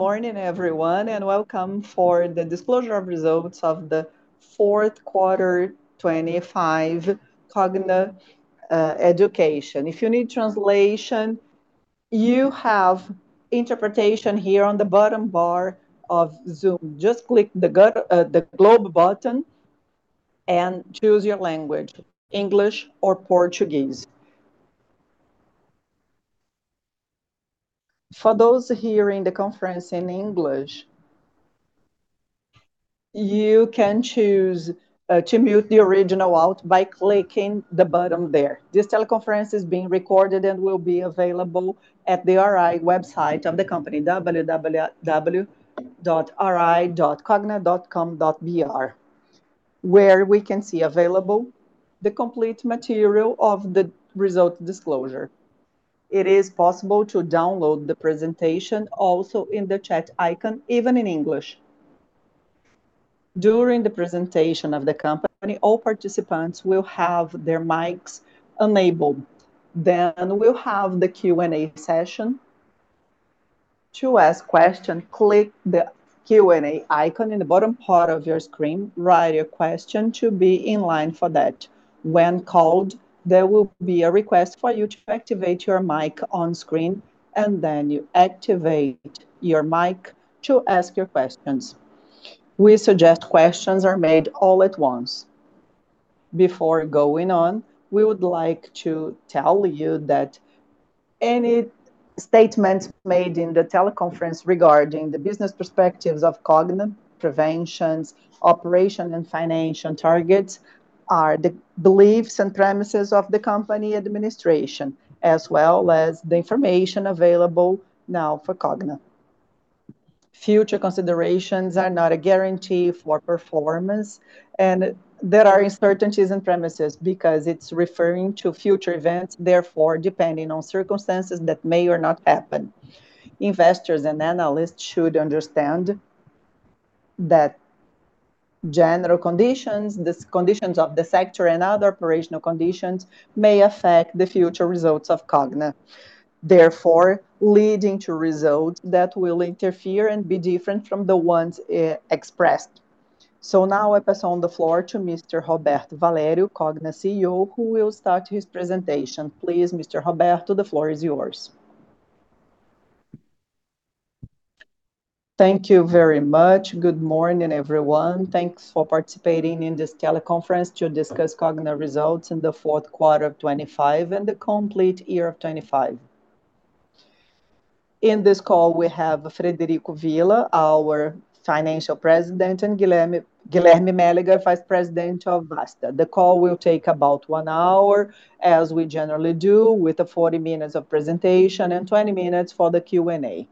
Morning everyone, welcome for the disclosure of results of the fourth quarter 2025 Cogna Educação. If you need translation, you have interpretation here on the bottom bar of Zoom. Just click the globe button and choose your language, English or Portuguese. For those hearing the conference in English, you can choose to mute the original out by clicking the button there. This teleconference is being recorded and will be available at the RI website of the company, www.ri.cogna.com.br, where we can see available the complete material of the result disclosure. It is possible to download the presentation also in the chat icon, even in English. During the presentation of the company, all participants will have their mics enabled, then we'll have the Q&A session. To ask a question, click the Q&A icon in the bottom part of your screen, write your question to be in line for that. When called, there will be a request for you to activate your mic on screen, and then you activate your mic to ask your questions. We suggest questions are made all at once. Before going on, we would like to tell you that any statements made in the teleconference regarding the business prospects of Cogna, projections, operations and financial targets are the beliefs and premises of the company administration, as well as the information available now for Cogna. Future considerations are not a guarantee for performance, and there are uncertainties and premises because it's referring to future events, therefore, depending on circumstances that may or may not happen. Investors and analysts should understand that general conditions, the conditions of the sector and other operational conditions may affect the future results of Cogna, therefore leading to results that will differ and be different from the ones expressed. Now I pass on the floor to Mr. Roberto Valério, Cogna CEO, who will start his presentation. Please, Mr. Roberto, the floor is yours. Thank you very much. Good morning, everyone. Thanks for participating in this teleconference to discuss Cogna results in the fourth quarter of 2025 and the complete year of 2025. In this call, we have Frederico Villa, our financial president, and Guilherme Mélega, vice president of Vasta. The call will take about one hour, as we generally do, with 40 minutes of presentation and 20 minutes for the Q&A.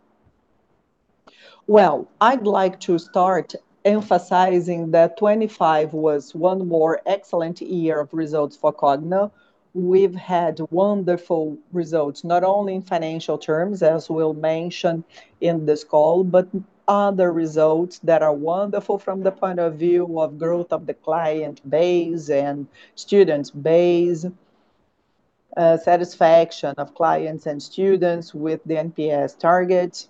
Well, I'd like to start emphasizing that 2025 was one more excellent year of results for Cogna. We've had wonderful results, not only in financial terms, as we'll mention in this call, but other results that are wonderful from the point of view of growth of the client base and students base, satisfaction of clients and students with the NPS targets,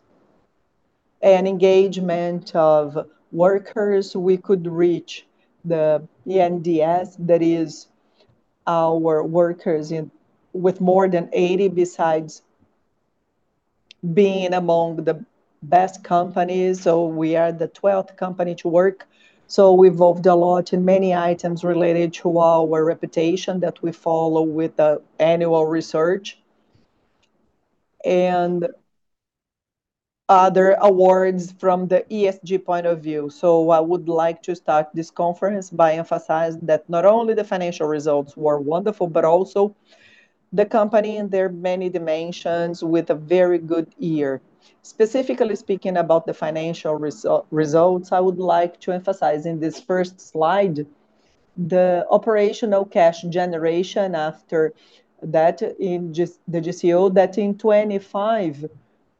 and engagement of workers. We could reach the eNPS, that is our workers with more than 80 besides being among the best companies. We are the twelfth company to work. We evolved a lot in many items related to our reputation that we follow with the annual research and other awards from the ESG point of view. I would like to start this conference by emphasizing that not only the financial results were wonderful, but also the company in their many dimensions with a very good year. Specifically speaking about the financial results, I would like to emphasize in this first slide the operational cash generation after that in the GCO that in 2025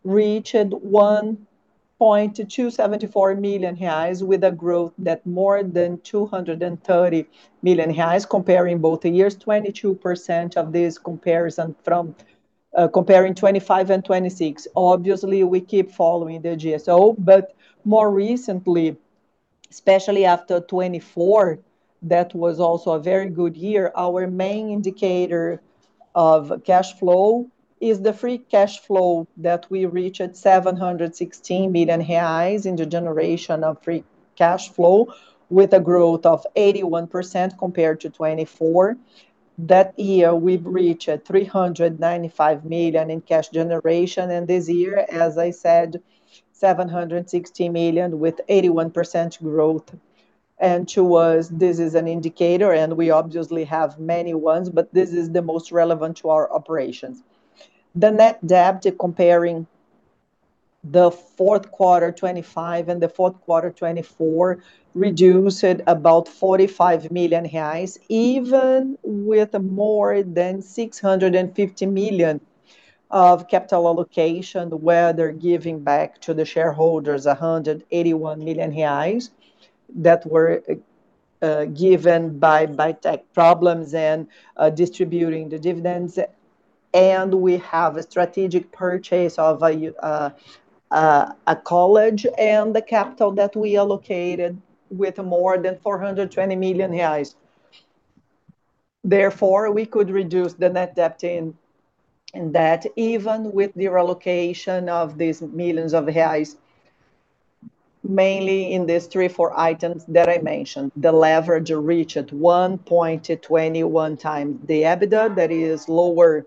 reached 1.274 million reais with a growth that more than 230 million reais comparing both years. 22% of this comparison from comparing 2025 and 2026. Obviously, we keep following the GCO, but more recently, especially after 2024, that was also a very good year. Our main indicator of cash flow is the free cash flow that we reach at 716 million reais in the generation of free cash flow with a growth of 81% compared to 2024. That year we reached 395 million in cash generation, and this year, as I said, 760 million with 81% growth. To us, this is an indicator, and we obviously have many ones, but this is the most relevant to our operations. The net debt comparing the fourth quarter 2025 and the fourth quarter 2024 reduced about 45 million reais, even with more than 650 million of capital allocation, where they're giving back to the shareholders 181 million reais that were given by tech problems and distributing the dividends and we have a strategic purchase of a college and the capital that we allocated with more than 420 million reais. Therefore, we could reduce the net debt in that even with the relocation of these millions of BRL, mainly in these 3, 4 items that I mentioned. The leverage reached 1.21x EBITDA. That is lower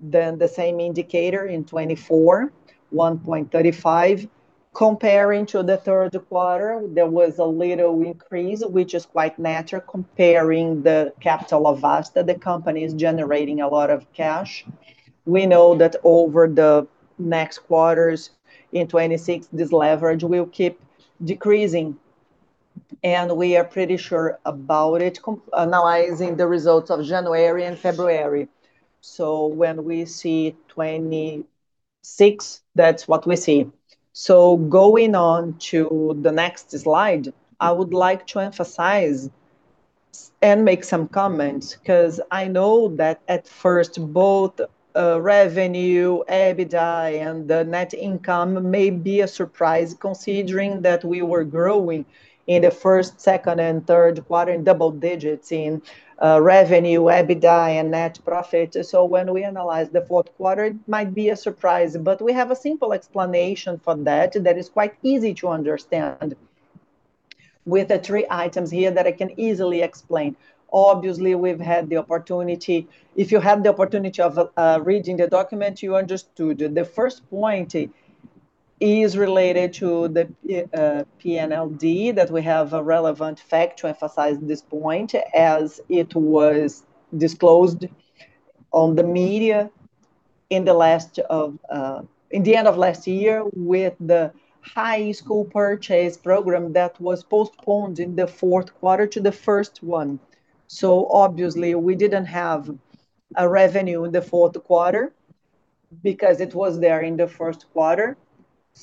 than the same indicator in 2024, 1.35. Comparing to the third quarter, there was a little increase, which is quite natural comparing the CapEx of Vasta, the company is generating a lot of cash. We know that over the next quarters in 2026, this leverage will keep decreasing, and we are pretty sure about it analyzing the results of January and February. When we see 2026, that's what we see. Going on to the next slide, I would like to emphasize and make some comments, 'cause I know that at first, both, revenue, EBITDA, and the net income may be a surprise considering that we were growing in the first, second, and third quarter in double digits in revenue, EBITDA, and net profit. When we analyze the fourth quarter, it might be a surprise. We have a simple explanation for that is quite easy to understand with the three items here that I can easily explain. Obviously, we've had the opportunity. If you had the opportunity of reading the document, you understood. The first point, it is related to the PNLD, that we have a relevant fact to emphasize this point as it was disclosed on the media in the end of last year with the high school purchase program that was postponed in the fourth quarter to the first one. Obviously, we didn't have a revenue in the fourth quarter because it was there in the first quarter.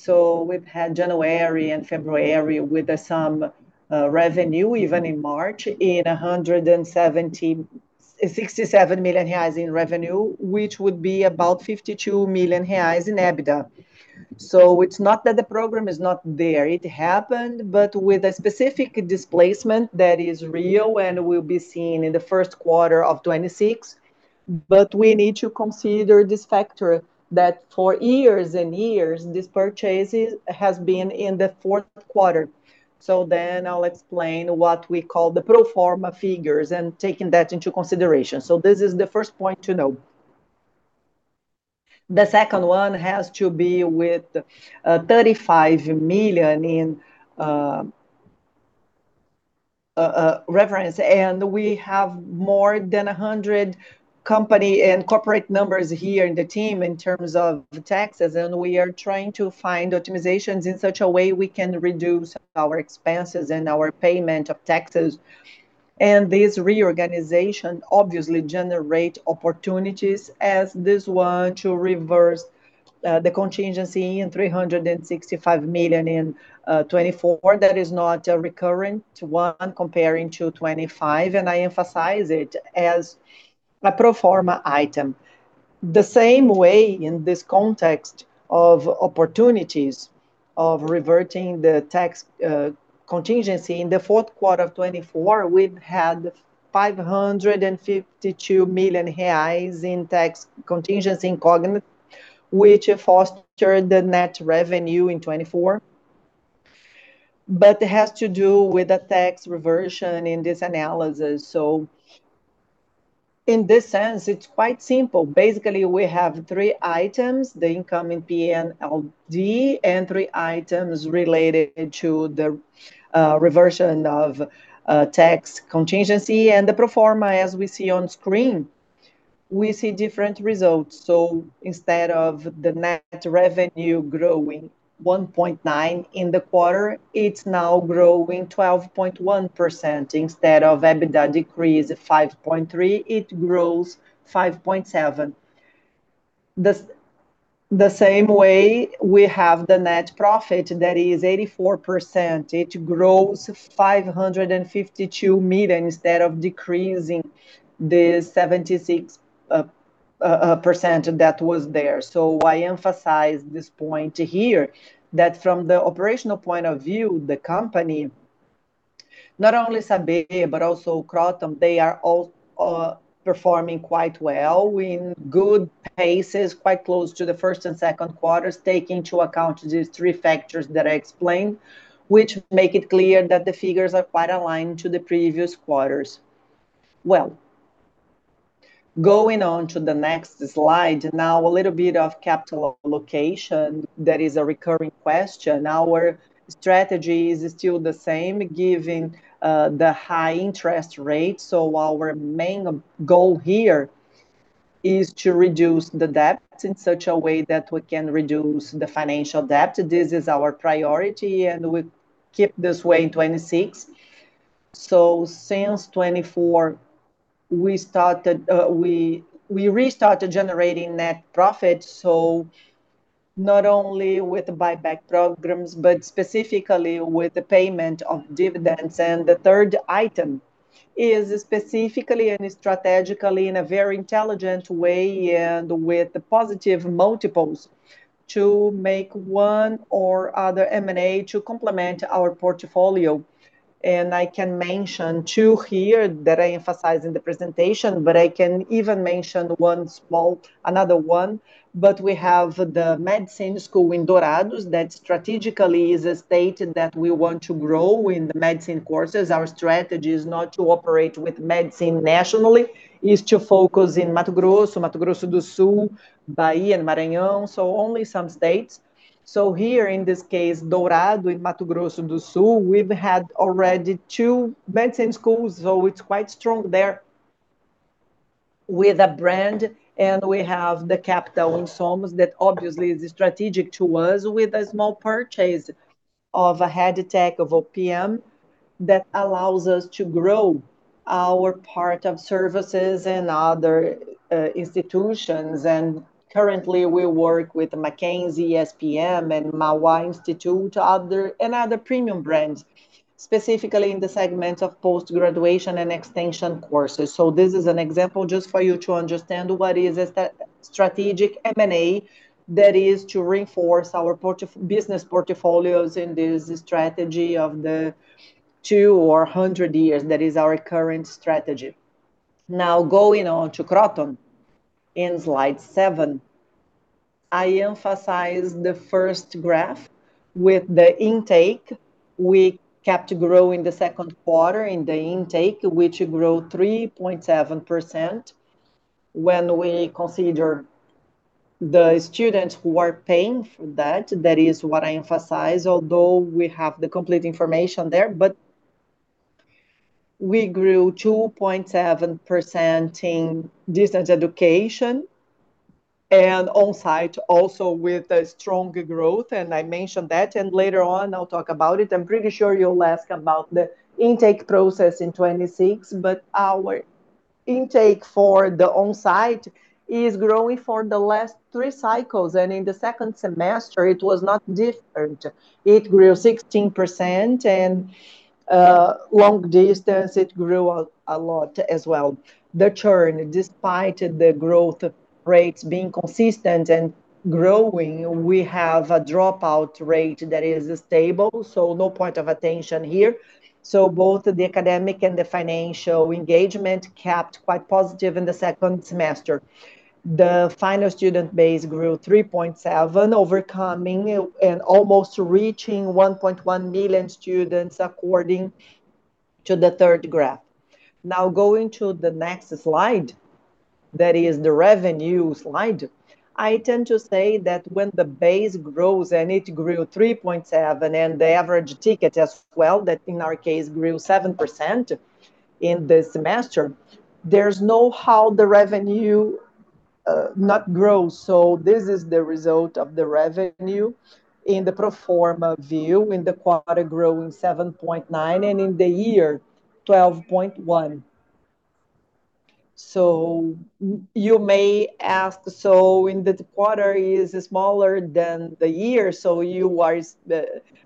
We've had January and February with the same revenue, even in March, 167 million reais in revenue, which would be about 52 million reais in EBITDA. It's not that the program is not there. It happened, but with a specific displacement that is real and will be seen in the first quarter of 2026. We need to consider this factor that for years and years, this purchases has been in the fourth quarter. I'll explain what we call the pro forma figures and taking that into consideration. This is the first point to know. The second one has to be with 35 million in reversals. We have more than 100 company and corporate numbers here in the team in terms of the taxes, and we are trying to find optimizations in such a way we can reduce our expenses and our payment of taxes. This reorganization obviously generate opportunities as this one to reverse the contingency in 365 million in 2024. That is not a recurring one comparing to 2025, and I emphasize it as a pro forma item. The same way in this context of opportunities of reverting the tax contingency in the fourth quarter of 2024, we've had 552 million reais in tax contingency in Cogna, which fostered the net revenue in 2024. It has to do with the tax reversion in this analysis. In this sense, it's quite simple. Basically, we have three items, the incoming PNLD, and three items related to the reversion of tax contingency. The pro forma, as we see on screen, we see different results. Instead of the net revenue growing 1.9% in the quarter, it's now growing 12.1%. Instead of EBITDA decrease of 5.3%, it grows 5.7%. The same way we have the net profit that is 84%, it grows 552 million instead of decreasing the 76% that was there. I emphasize this point here, that from the operational point of view, the company, not only Saber but also Kroton, they are all performing quite well in good paces, quite close to the first and second quarters, taking into account these three factors that I explained, which make it clear that the figures are quite aligned to the previous quarters. Well, going on to the next slide now, a little bit of capital allocation. That is a recurring question. Our strategy is still the same given the high interest rates. Our main goal here is to reduce the debt in such a way that we can reduce the financial debt. This is our priority, and we keep this way in 2026. Since 2024, we restarted generating net profit. Not only with the buyback programs, but specifically with the payment of dividends. The third item is specifically and strategically in a very intelligent way and with the positive multiples to make one or other M&A to complement our portfolio. I can mention two here that I emphasize in the presentation, but I can even mention one small another one. We have the medical school in Dourados that strategically is a state that we want to grow in the medical courses. Our strategy is not to operate with medicine nationally. It's to focus in Mato Grosso, Mato Grosso do Sul, Bahia and Maranhão, so only some states. Here in this case, Dourados in Mato Grosso do Sul, we've had already two medicine schools, so it's quite strong there with a brand, and we have the content in SOMOS that obviously is strategic to us with a small purchase of an edtech, of OPM, that allows us to grow our part of services and other institutions. Currently, we work with Mackenzie, ESPM, and Mauá Institute, other premium brands, specifically in the segment of post-graduation and extension courses. This is an example just for you to understand what is a strategic M&A that is to reinforce our business portfolios in this strategy of the two or 100 years. That is our current strategy. Now, going on to Kroton in slide seven. I emphasize the first graph with the intake. We kept growing the second quarter in the intake, which grew 3.7% when we consider the students who are paying for that. That is what I emphasize, although we have the complete information there. We grew 2.7% in distance education and on-site also with a strong growth, and I mentioned that, and later on I'll talk about it. I'm pretty sure you'll ask about the intake process in 2026, but our intake for the on-site is growing for the last three cycles, and in the second semester it was not different. It grew 16% and distance, it grew a lot as well. The churn, despite the growth rates being consistent and growing, we have a dropout rate that is stable, so no point of attention here. Both the academic and the financial engagement kept quite positive in the second semester. The final student base grew 3.7%, overcoming and almost reaching 1.1 million students according to the third graph. Now, going to the next slide, that is the revenue slide. I tend to say that when the base grows and it grew 3.7% and the average ticket as well, that in our case grew 7% in the semester, there's no way the revenue not grow. This is the result of the revenue in the pro forma view, in the quarter growing 7.9% and in the year, 12.1%. You may ask, "So in the quarter is smaller than the year, so you are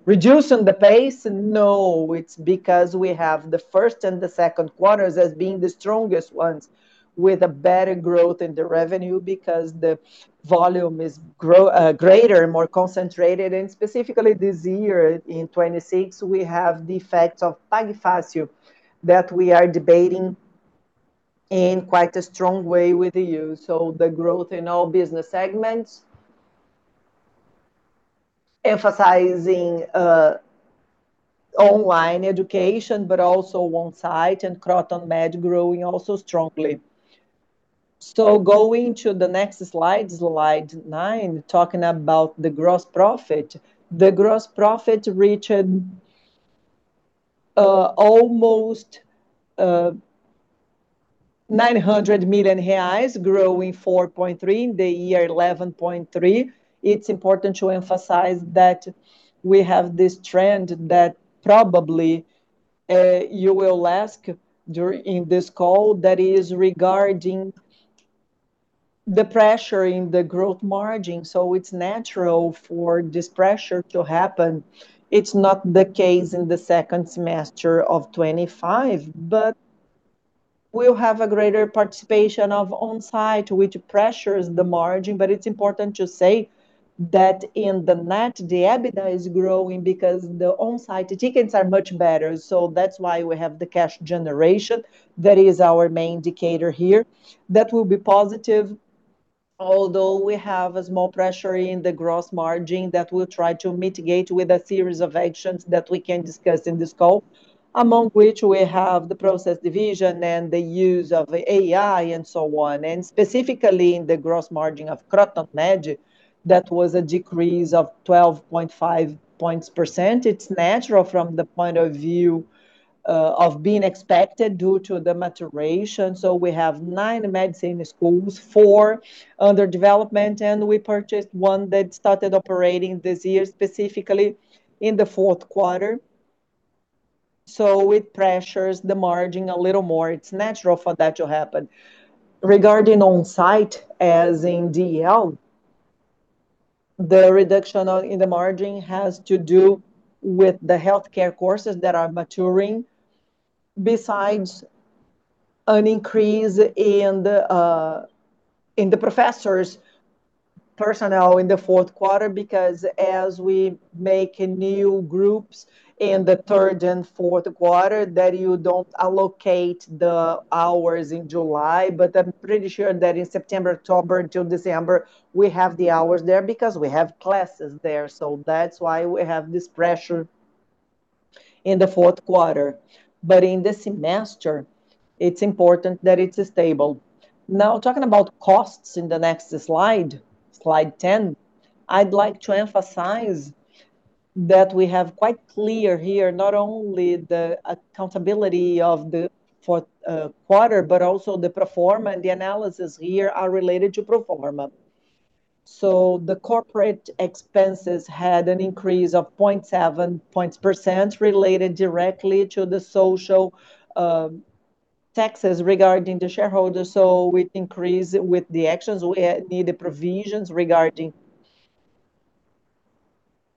reducing the pace?" No. It's because we have the first and the second quarters as being the strongest ones with a better growth in the revenue because the volume is greater, more concentrated. Specifically this year in 2026, we have the effects of Pague Fácil that we are debating in quite a strong way with you. The growth in all business segments, emphasizing online education, but also on-site and Kroton Med growing also strongly. Going to the next slide nine, talking about the gross profit. The gross profit reached almost 900 million reais, growing 4.3%, in the year 11.3%. It's important to emphasize that we have this trend that probably you will ask in this call, that is regarding the pressure in the gross margin. It's natural for this pressure to happen. It's not the case in the second semester of 2025, but we'll have a greater participation of on-site, which pressures the margin. It's important to say that in the net, the EBITDA is growing because the on-site tickets are much better. That's why we have the cash generation. That is our main indicator here. That will be positive, although we have a small pressure in the gross margin that we'll try to mitigate with a series of actions that we can discuss in this call, among which we have the process division and the use of AI and so on, and specifically in the gross margin of Kroton Med, that was a decrease of 12.5 percentage points. It's natural from the point of view of being expected due to the maturation. We have nine medicine schools, four under development, and we purchased one that started operating this year, specifically in the fourth quarter. It pressures the margin a little more. It's natural for that to happen. Regarding on-site, as in DL, the reduction in the margin has to do with the healthcare courses that are maturing. Besides an increase in the professors personnel in the fourth quarter, because as we make new groups in the third and fourth quarter that you don't allocate the hours in July. I'm pretty sure that in September, October until December, we have the hours there because we have classes there. That's why we have this pressure in the fourth quarter. In the semester, it's important that it's stable. Now talking about costs in the next slide 10, I'd like to emphasize that we have quite clear here not only the accountability of the fourth quarter, but also the pro forma and the analysis here are related to pro forma. The corporate expenses had an increase of 0.7 percentage points related directly to the social taxes regarding the shareholders. With increase with the actions, we need the provisions regarding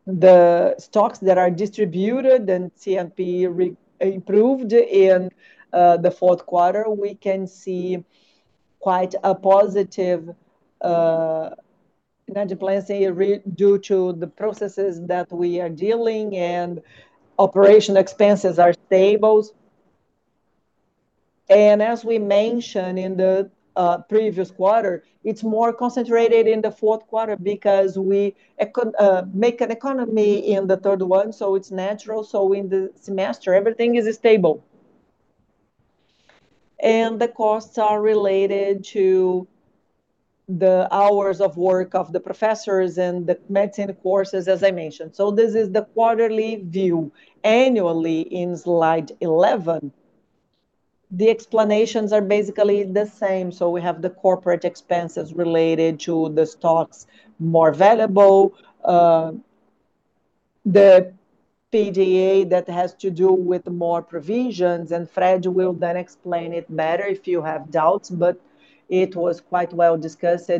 the stocks that are distributed and compensation improved in the fourth quarter. We can see quite a positive net disposition reduction due to the processes that we are dealing and operating expenses are stable. As we mentioned in the previous quarter, it's more concentrated in the fourth quarter because we make an economy in the third one, so it's natural. In the semester, everything is stable. The costs are related to the hours of work of the professors and the medicine courses, as I mentioned. This is the quarterly view. Annually, in slide 11, the explanations are basically the same. We have the corporate expenses related to the stocks more valuable. The PDA that has to do with more provisions, and Fred will then explain it better if you have doubts, but it was quite well discussed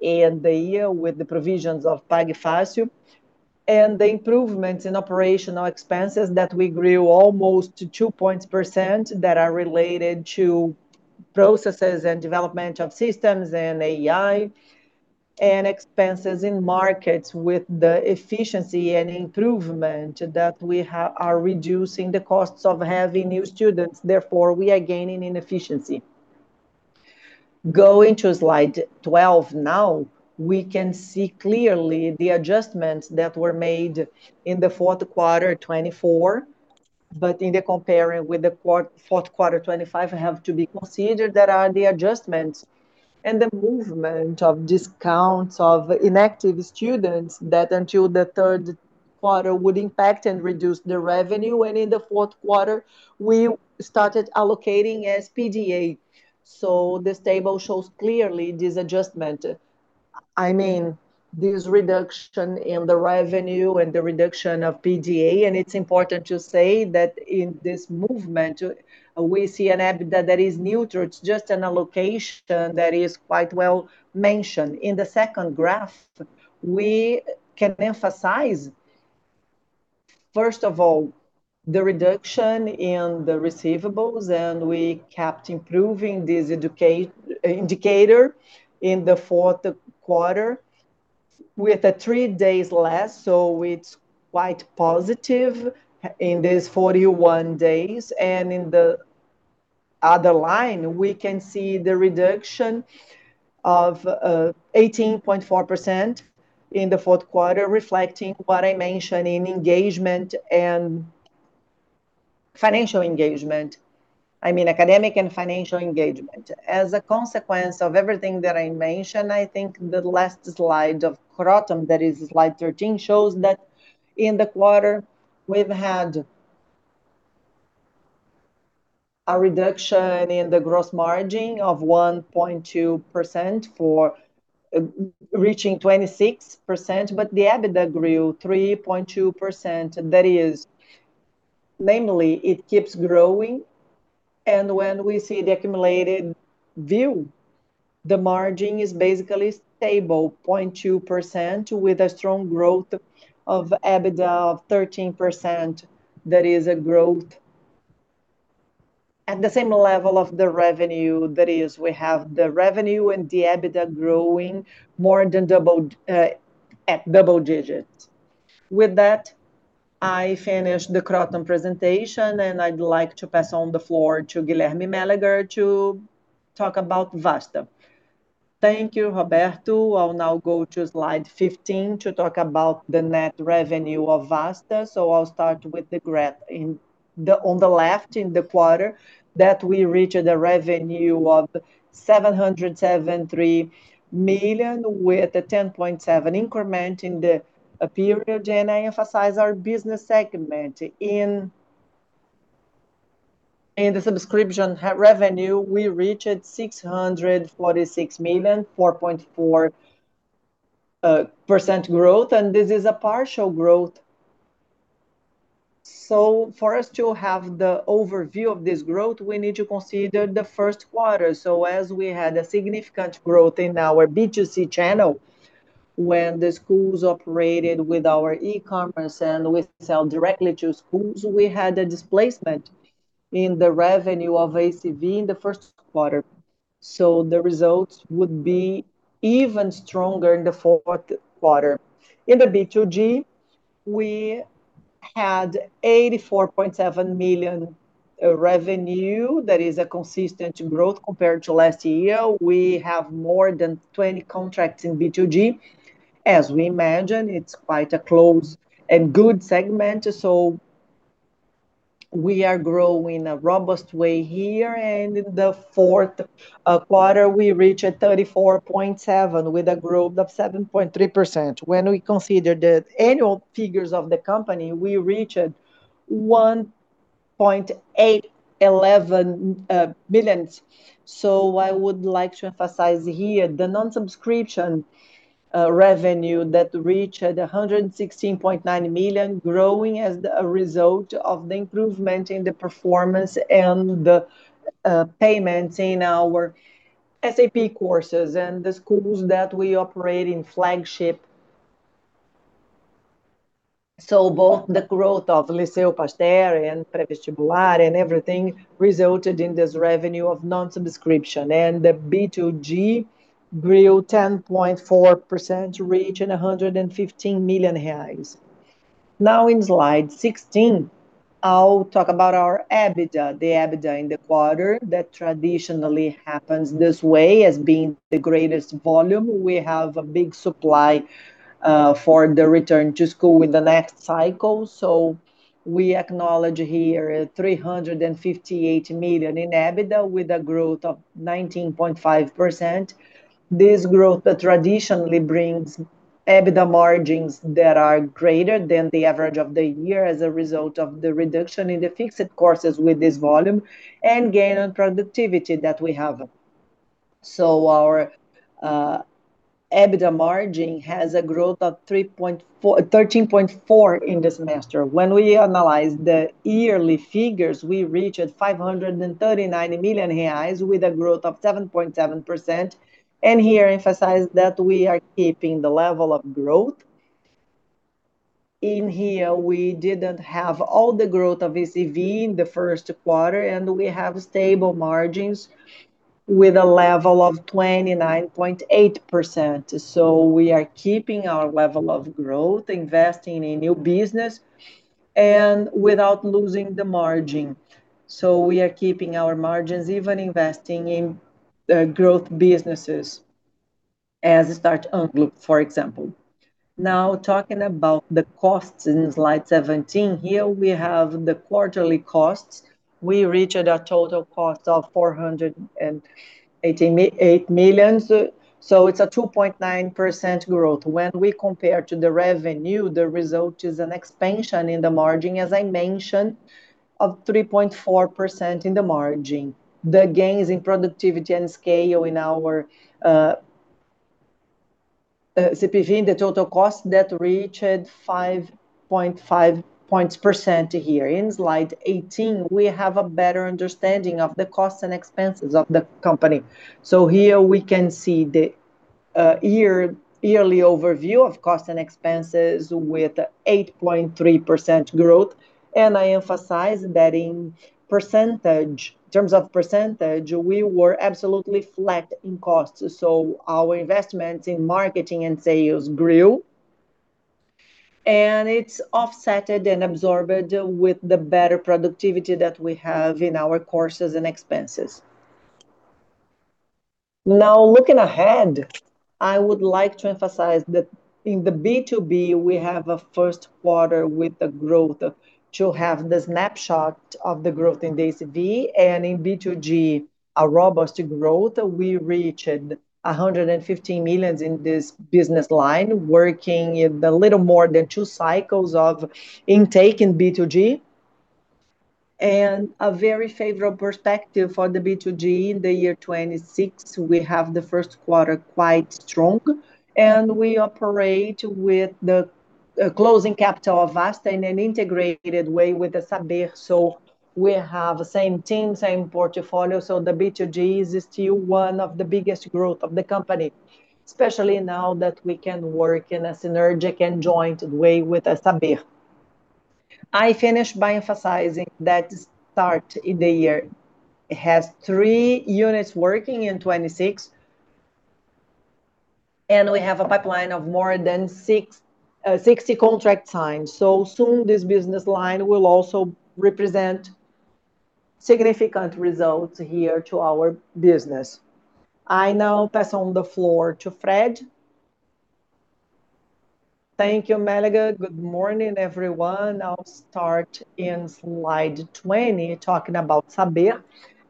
in the year with the provisions of Pague Fácil. The improvements in operational expenses that we grew almost 2 percentage points that are related to processes and development of systems and AI and marketing expenses with the efficiency and improvement that we are reducing the costs of having new students, therefore, we are gaining in efficiency. Going to slide 12 now, we can see clearly the adjustments that were made in the fourth quarter 2024. In comparing with the fourth quarter 2025, have to be considered that are the adjustments and the movement of discounts of inactive students that until the third quarter would impact and reduce the revenue. In the fourth quarter, we started allocating as PDA. This table shows clearly this adjustment. I mean, this reduction in the revenue and the reduction of PDA, and it's important to say that in this movement, we see an EBITDA that is neutral. It's just an allocation that is quite well mentioned. In the second graph, we can emphasize, first of all, the reduction in the receivables, and we kept improving this indicator in the fourth quarter with three days less. It's quite positive in this 41 days. In the other line, we can see the reduction of 18.4% in the fourth quarter, reflecting what I mentioned in engagement and financial engagement. I mean, academic and financial engagement. As a consequence of everything that I mentioned, I think the last slide of Kroton, that is slide thirteen, shows that in the quarter, we've had a reduction in the gross margin of 1.2% reaching 26%, but the EBITDA grew 3.2%. That is, namely, it keeps growing. When we see the accumulated view, the margin is basically stable, 0.2%, with a strong growth of EBITDA of 13%. That is a growth at the same level of the revenue. That is, we have the revenue and the EBITDA growing at double digits. With that, I finish the Kroton presentation, and I'd like to pass the floor to Guilherme Mélega to talk about Vasta. Thank you, Roberto Valério. I'll now go to slide 15 to talk about the net revenue of Vasta. I'll start with the graph on the left in the quarter that we reached a revenue of 707 million, with a 10.7 increment in the period. I emphasize our business segment in the subscription revenue. We reached 646 million, 4.4% growth, and this is a partial growth. For us to have the overview of this growth, we need to consider the first quarter. As we had a significant growth in our B2C channel, when the schools operated with our e-commerce and we sell directly to schools, we had a displacement in the revenue of ACV in the first quarter. The results would be even stronger in the fourth quarter. In the B2G, we had 84.7 million revenue. That is a consistent growth compared to last year. We have more than 20 contracts in B2G. As we mentioned, it's quite a close and good segment, so we are growing a robust way here. In the fourth quarter, we reached 34.7 million with a growth of 7.3%. When we consider the annual figures of the company, we reached 1.811 billion. I would like to emphasize here the non-subscription revenue that reached 116.9 million, growing as a result of the improvement in the performance and the payments in our SAP courses and the schools that we operate in Flagship. Both the growth of Liceu Pasteur and pré-vestibular and everything resulted in this revenue of non-subscription. The B2G grew 10.4%, reaching 115 million reais. Now in slide 16, I'll talk about our EBITDA. The EBITDA in the quarter that traditionally happens this way as being the greatest volume. We have a big supply for the return to school with the next cycle. We acknowledge here 358 million in EBITDA with a growth of 19.5%. This growth traditionally brings EBITDA margins that are greater than the average of the year as a result of the reduction in the fixed courses with this volume and gain on productivity that we have. Our EBITDA margin has a growth of 13.4 in this semester. When we analyze the yearly figures, we reached 539 million reais with a growth of 7.7%. Here emphasize that we are keeping the level of growth. In here, we didn't have all the growth of ACV in the first quarter, and we have stable margins with a level of 29.8%. We are keeping our level of growth, investing in new business, and without losing the margin. We are keeping our margins, even investing in growth businesses as a standalone, for example. Now talking about the costs in slide 17. Here we have the quarterly costs. We reached a total cost of 488 million. It's a 2.9% growth. When we compare to the revenue, the result is an expansion in the margin, as I mentioned, of 3.4% in the margin. The gains in productivity and scale in our CPV in the total cost that reached 5.5 percentage points here. In slide 18, we have a better understanding of the costs and expenses of the company. Here we can see the year-over-year overview of cost and expenses with 8.3% growth. I emphasize that in terms of percentage, we were absolutely flat in costs. Our investments in marketing and sales grew, and it's offset and absorbed with the better productivity that we have in our courses and expenses. Now looking ahead, I would like to emphasize that in the B2B, we have a first quarter with a growth to have the snapshot of the growth in the ACV. In B2G, a robust growth. We reached 115 million in this business line, working in a little more than two cycles of intake in B2G. A very favorable perspective for the B2G in the year 2026. We have the first quarter quite strong, and we operate with the closing capital of Vasta in an integrated way with the Saber. We have the same team, same portfolio. The B2G is still one of the biggest growth of the company, especially now that we can work in a synergistic and joint way with Saber. I finish by emphasizing that start in the year has three units working in 26, and we have a pipeline of more than 60 contract times. This business line will also represent significant results here to our business. I now pass on the floor to Fred. Thank you, Mélega. Good morning, everyone. I'll start in slide 20, talking about Saber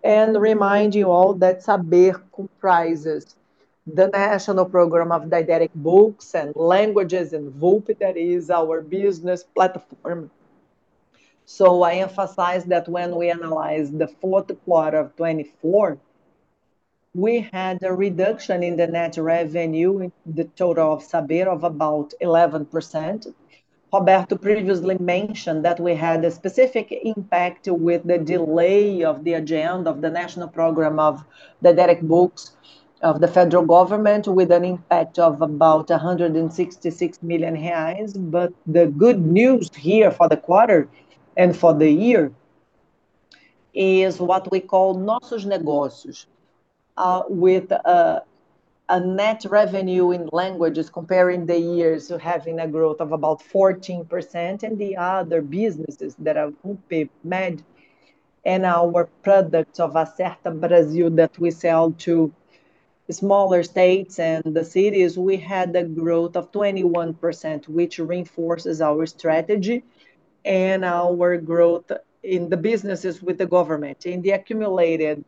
and remind you all that Saber comprises. The national program of didactic books and languages and VULPI that is our business platform. I emphasize that when we analyze the fourth quarter of 2024, we had a reduction in the net revenue in the total of Saber of about 11%. Roberto previously mentioned that we had a specific impact with the delay of the agenda of the national program of didactic books of the federal government with an impact of about 166 million reais. The good news here for the quarter and for the year is what we call nossos negócios, with a net revenue in languages comparing the years having a growth of about 14% and the other businesses that are VULPI, MED and our products of Acerta Brasil that we sell to smaller states and the cities, we had a growth of 21%, which reinforces our strategy and our growth in the businesses with the government. In the accumulated,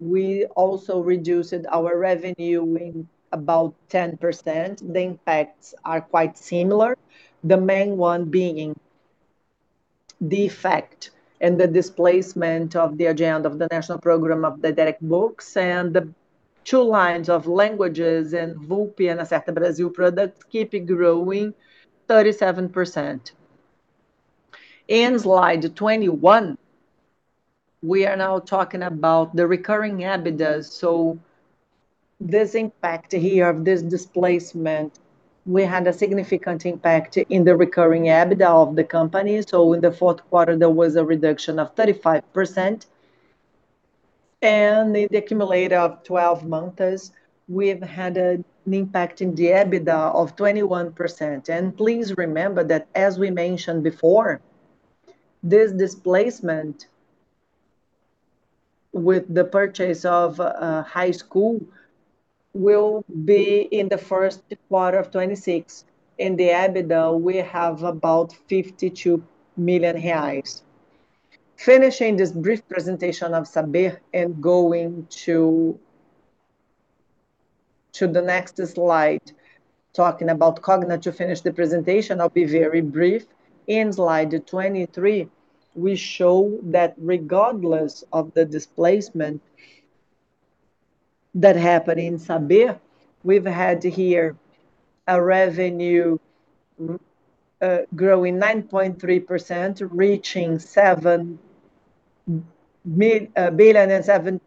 we also reduced our revenue in about 10%. The impacts are quite similar. The main one being the effect and the displacement of the agenda of the national program of didactic books and the two lines of languages and VULPI and Acerta Brasil products keep growing 37%. In slide 21, we are now talking about the recurring EBITDA. This impact here of this displacement, we had a significant impact in the recurring EBITDA of the company. In the fourth quarter, there was a reduction of 35%. In the accumulator of 12 months, we've had an impact in the EBITDA of 21%. Please remember that as we mentioned before, this displacement with the purchase of high school will be in the first quarter of 2026. In the EBITDA, we have about 52 million reais. Finishing this brief presentation of Saber and going to the next slide, talking about Cogna to finish the presentation. I'll be very brief. In slide 23, we show that regardless of the displacement that happened in Saber, we've had here a revenue growing 9.3%, reaching 7 billion and 17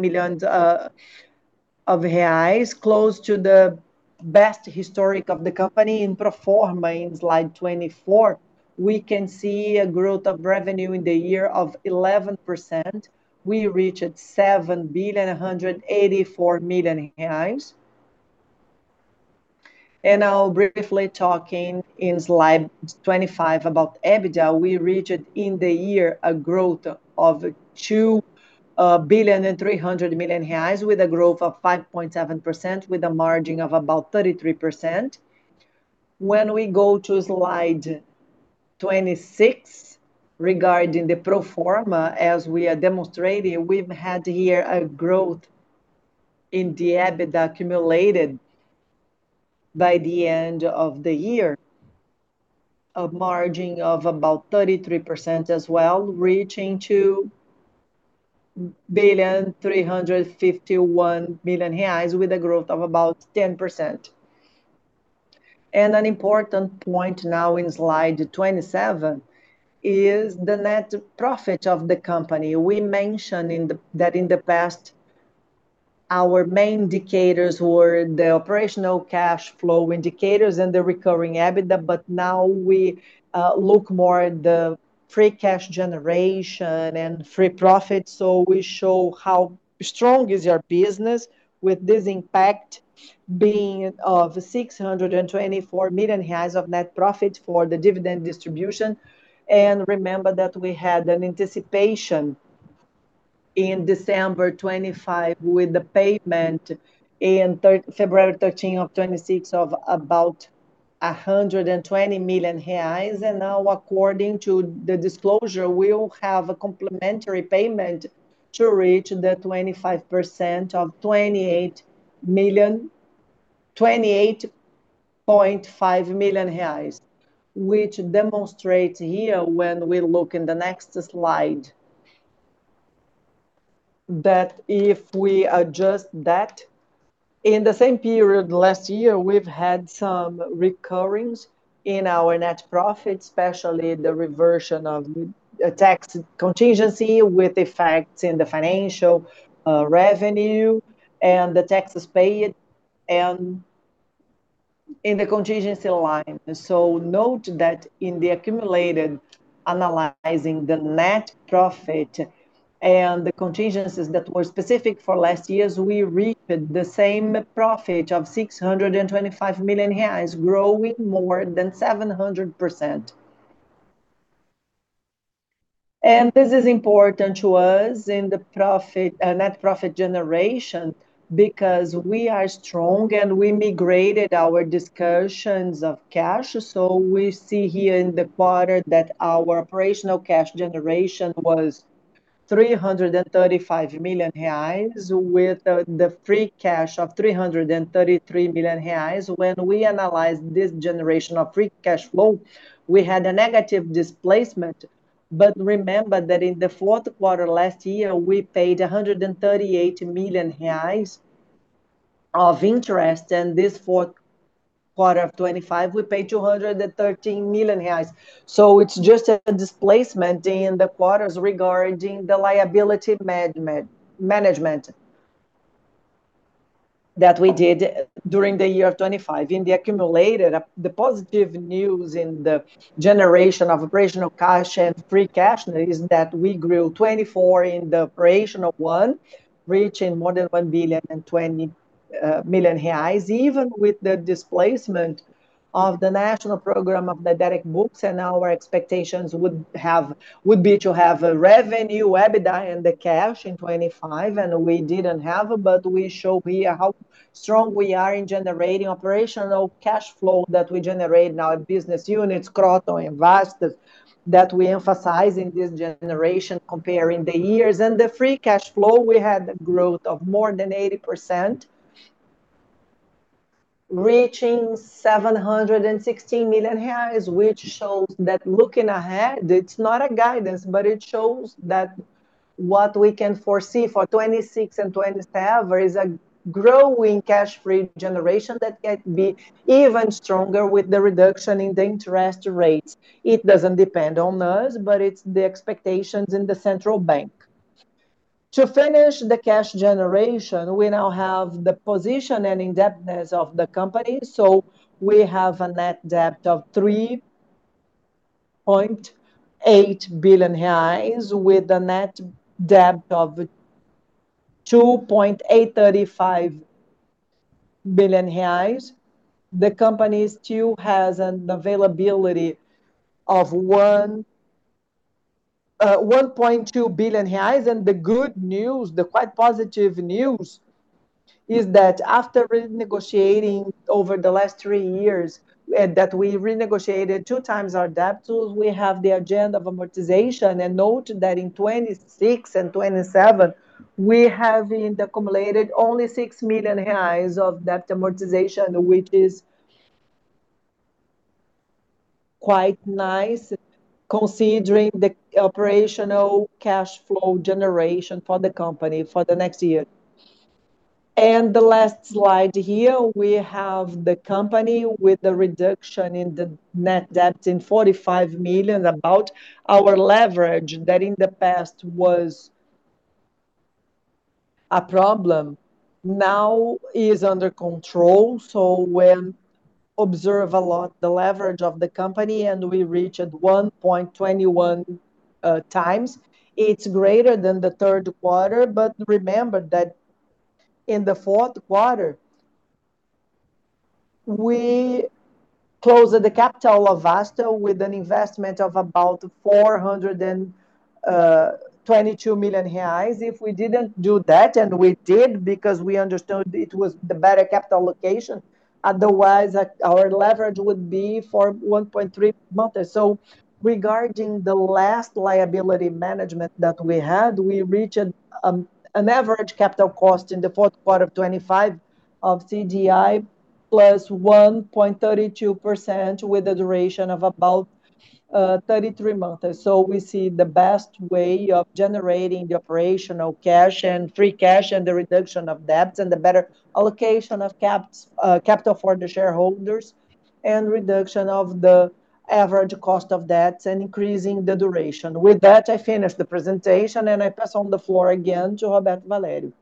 million of reais, close to the best historical of the company. In pro forma in slide 24, we can see a growth of revenue in the year of 11%. We reached 7 billion 184 million. Now briefly talking in slide 25 about EBITDA, we reached in the year a growth of 2 billion 300 million with a growth of 5.7% with a margin of about 33%. When we go to slide 26 regarding the pro forma, as we are demonstrating, we've had here a growth in the EBITDA accumulated by the end of the year, a margin of about 33% as well, reaching two billion 351 million reais with a growth of about 10%. An important point now in slide 27 is the net profit of the company. We mentioned that in the past, our main indicators were the operational cash flow indicators and the recurring EBITDA, but now we look more the free cash generation and free profit. We show how strong is our business with this impact being of 624 million reais of net profit for the dividend distribution. Remember that we had an anticipation in December 25 with the payment in February 13, 2026 of about 120 million reais. Now according to the disclosure, we will have a complimentary payment to reach 25% of 28 million, 28.5 million reais, which demonstrates here when we look in the next slide that if we adjust that, in the same period last year, we've had some recurring in our net profit, especially the reversion of a tax contingency with effects in the financial revenue and the taxes paid and in the contingency line. Note that in the accumulated analyzing the net profit and the contingencies that were specific for last year, we reached the same profit of 625 million reais, growing more than 700%. This is important to us in the profit, net profit generation because we are strong and we migrated our discussions of cash. We see here in the quarter that our operational cash generation was 335 million reais with the free cash of 333 million reais. When we analyzed this generation of free cash flow, we had a negative displacement. Remember that in the fourth quarter last year, we paid 138 million reais of interest, and this fourth quarter of 2025, we paid 213 million reais. It's just a displacement in the quarters regarding the liability management that we did during the year of 2025. In the accumulated, the positive news in the generation of operational cash and free cash is that we grew 24% in the operational one, reaching more than 1.02 billion. Even with the displacement of the PNLD and our expectations would have. Would be to have a revenue, EBITDA, and cash in 2025, and we didn't have, but we show here how strong we are in generating operational cash flow that we generate in our business units, Kroton and Vasta, that we emphasize in this generation comparing the years. The free cash flow, we had a growth of more than 80%, reaching 760 million reais, which shows that looking ahead, it's not a guidance, but it shows that what we can foresee for 2026 and 2027 is a growing free cash generation that can be even stronger with the reduction in the interest rates. It doesn't depend on us, but it's the expectations in the central bank. To finish the cash generation, we now have the position and indebtedness of the company. We have a net debt of 3.8 billion reais with a net debt of 2.835 billion reais. The company still has an availability of 1.2 billion reais. The good news, the quite positive news is that after renegotiating over the last three years, that we renegotiated two times our debt, so we have the agenda of amortization. Note that in 2026 and 2027, we have in the accumulated only 6 million reais of debt amortization, which is quite nice considering the operational cash flow generation for the company for the next year. The last slide here, we have the company with the reduction in the net debt in 45 million. About our leverage that in the past was a problem, now is under control. When you observe the leverage of the company and we reach at 1.21 times, it's greater than the third quarter. Remember that in the fourth quarter, we closed the capital of Vasta with an investment of about 422 million reais. If we didn't do that, and we did because we understood it was the better capital allocation, otherwise our leverage would be for 1.3 months. Regarding the last liability management that we had, we reached an average capital cost in the fourth quarter of 2025 of CDI plus 1.32% with a duration of about 33 months. We see the best way of generating the operational cash and free cash and the reduction of debts and the better allocation of capital for the shareholders, and reduction of the average cost of debts and increasing the duration. With that, I finish the presentation, and I pass on the floor again to Roberto Valério.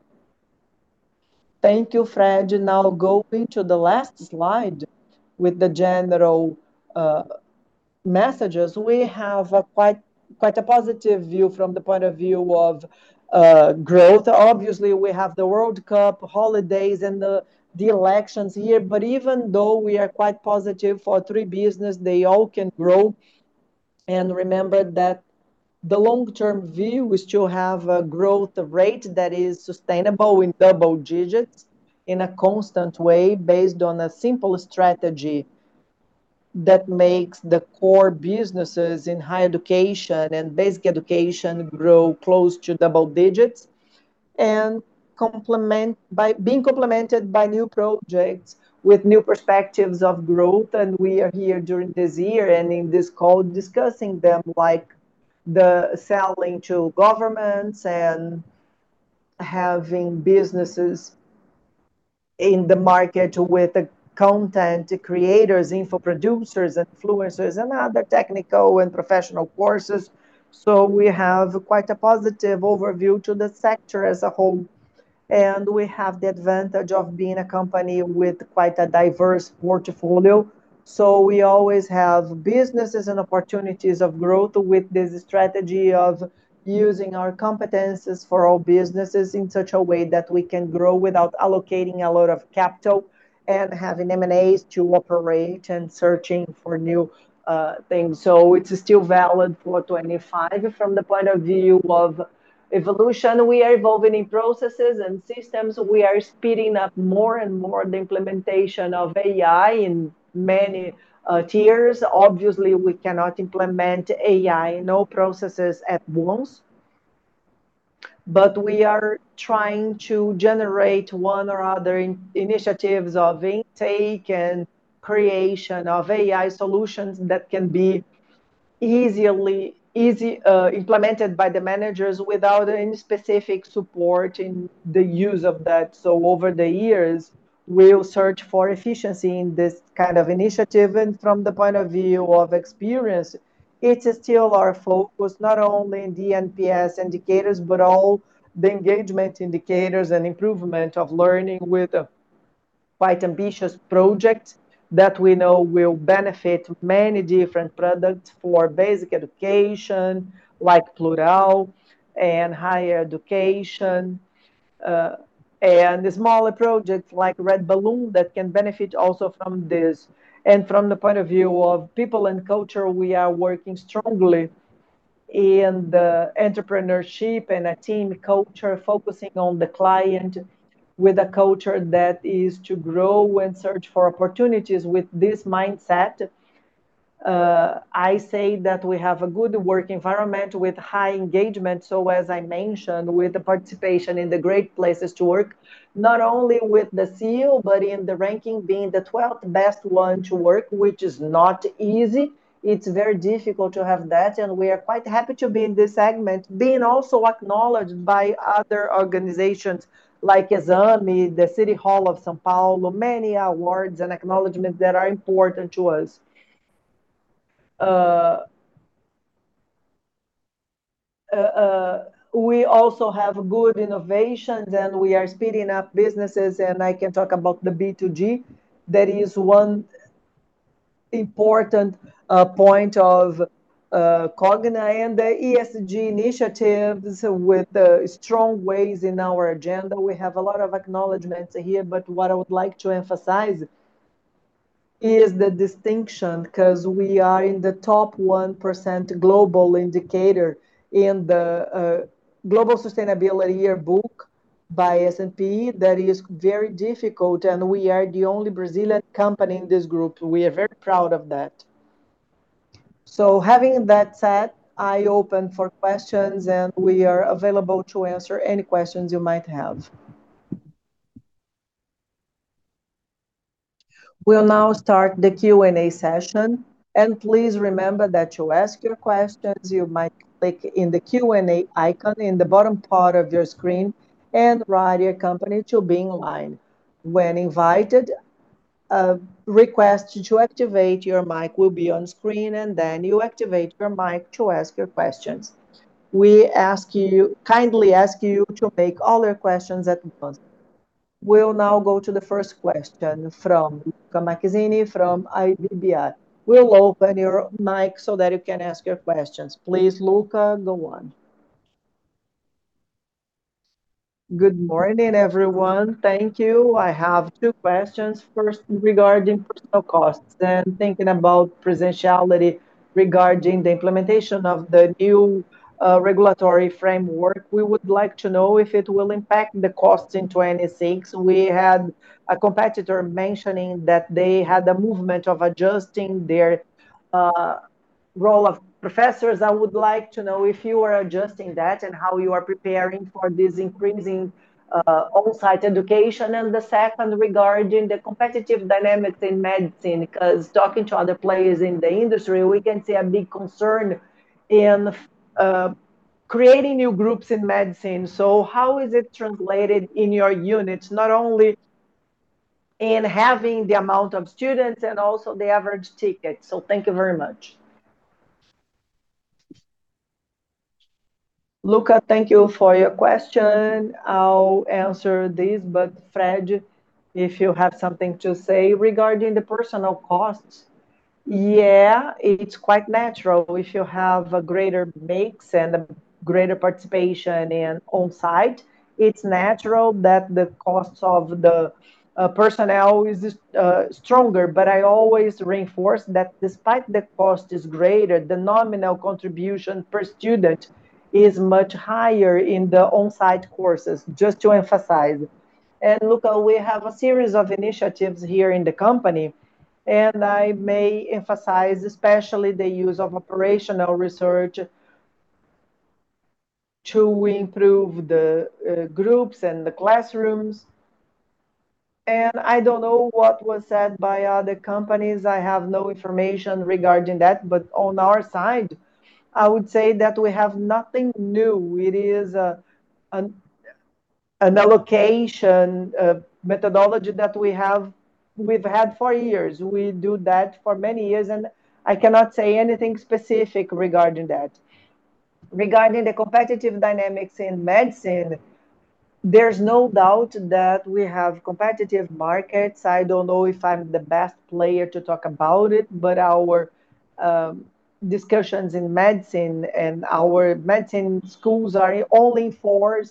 Thank you, Fred. Now going to the last slide with the general messages. We have quite a positive view from the point of view of growth. Obviously, we have the World Cup, holidays and the elections here. Even though we are quite positive for three business, they all can grow. Remember that the long term view, we still have a growth rate that is sustainable in double digits in a constant way based on a simple strategy that makes the core businesses in higher education and basic education grow close to double digits, and complemented by new projects with new perspectives of growth. We are here during this year and in this call discussing them, like the selling to governments and having businesses in the market with the content creators, info producers, influencers and other technical and professional courses. We have quite a positive overview to the sector as a whole. We have the advantage of being a company with quite a diverse portfolio, so we always have businesses and opportunities of growth with the strategy of using our competences for all businesses in such a way that we can grow without allocating a lot of capital and having M&As to operate and searching for new things. It's still valid for 2025 from the point of view of evolution. We are evolving in processes and systems. We are speeding up more and more the implementation of AI in many tiers. Obviously, we cannot implement AI in all processes at once. We are trying to generate one or other initiatives of intake and creation of AI solutions that can be easily implemented by the managers without any specific support in the use of that. Over the years, we'll search for efficiency in this kind of initiative. From the point of view of experience, it's still our focus, not only in the NPS indicators, but all the engagement indicators and improvement of learning with a quite ambitious project that we know will benefit many different products for basic education, like Plurall and higher education, and the smaller projects like Red Balloon that can benefit also from this. From the point of view of people and culture, we are working strongly in the entrepreneurship and a team culture focusing on the client with a culture that is to grow and search for opportunities. With this mindset, I say that we have a good work environment with high engagement. As I mentioned, with the participation in the Great Place to Work, not only with the CEO, but in the ranking being the 12th best one to work, which is not easy. It's very difficult to have that, and we are quite happy to be in this segment, being also acknowledged by other organizations like Exame, the City Hall of São Paulo, many awards and acknowledgments that are important to us. We also have good innovations, and we are speeding up businesses, and I can talk about the B2G. That is one important point of Cogna and the ESG initiatives with the strong base in our agenda. We have a lot of acknowledgments here, but what I would like to emphasize is the distinction because we are in the top 1% global indicator in the global sustainability yearbook by S&P. That is very difficult, and we are the only Brazilian company in this group. We are very proud of that. Having that said, I open for questions, and we are available to answer any questions you might have. We'll now start the Q&A session. Please remember that to ask your questions, you might click in the Q&A icon in the bottom part of your screen and write your company to be in line. When invited, a request to activate your mic will be on screen, and then you activate your mic to ask your questions. We kindly ask you to make all your questions at once. We'll now go to the first question from Luca Magazzini from IVBR. We'll open your mic so that you can ask your questions. Please, Luca, go on. Good morning, everyone. Thank you. I have two questions. First, regarding personnel costs and thinking about presentiality regarding the implementation of the new regulatory framework. We would like to know if it will impact the cost in 2026. We had a competitor mentioning that they had a movement of adjusting their roster of professors. I would like to know if you are adjusting that and how you are preparing for this increasing on-site education. The second, regarding the competitive dynamics in medicine, because talking to other players in the industry, we can see a big concern in creating new groups in medicine. How is it translated in your units, not only in having the amount of students and also the average ticket? Thank you very much. Luca, thank you for your question. I'll answer this, but Fred, if you have something to say regarding the personnel costs. Yeah, it's quite natural. If you have a greater mix and a greater participation in on-site, it's natural that the costs of the personnel is stronger. But I always reinforce that despite the cost is greater, the nominal contribution per student is much higher in the on-site courses, just to emphasize. Luca, we have a series of initiatives here in the company, and I may emphasize especially the use of operational research to improve the groups and the classrooms. I don't know what was said by other companies. I have no information regarding that. On our side, I would say that we have nothing new. It is an allocation methodology that we've had for years. We do that for many years, and I cannot say anything specific regarding that. Regarding the competitive dynamics in medicine, there's no doubt that we have competitive markets. I don't know if I'm the best player to talk about it. Our discussions in medicine and our medicine schools are all in four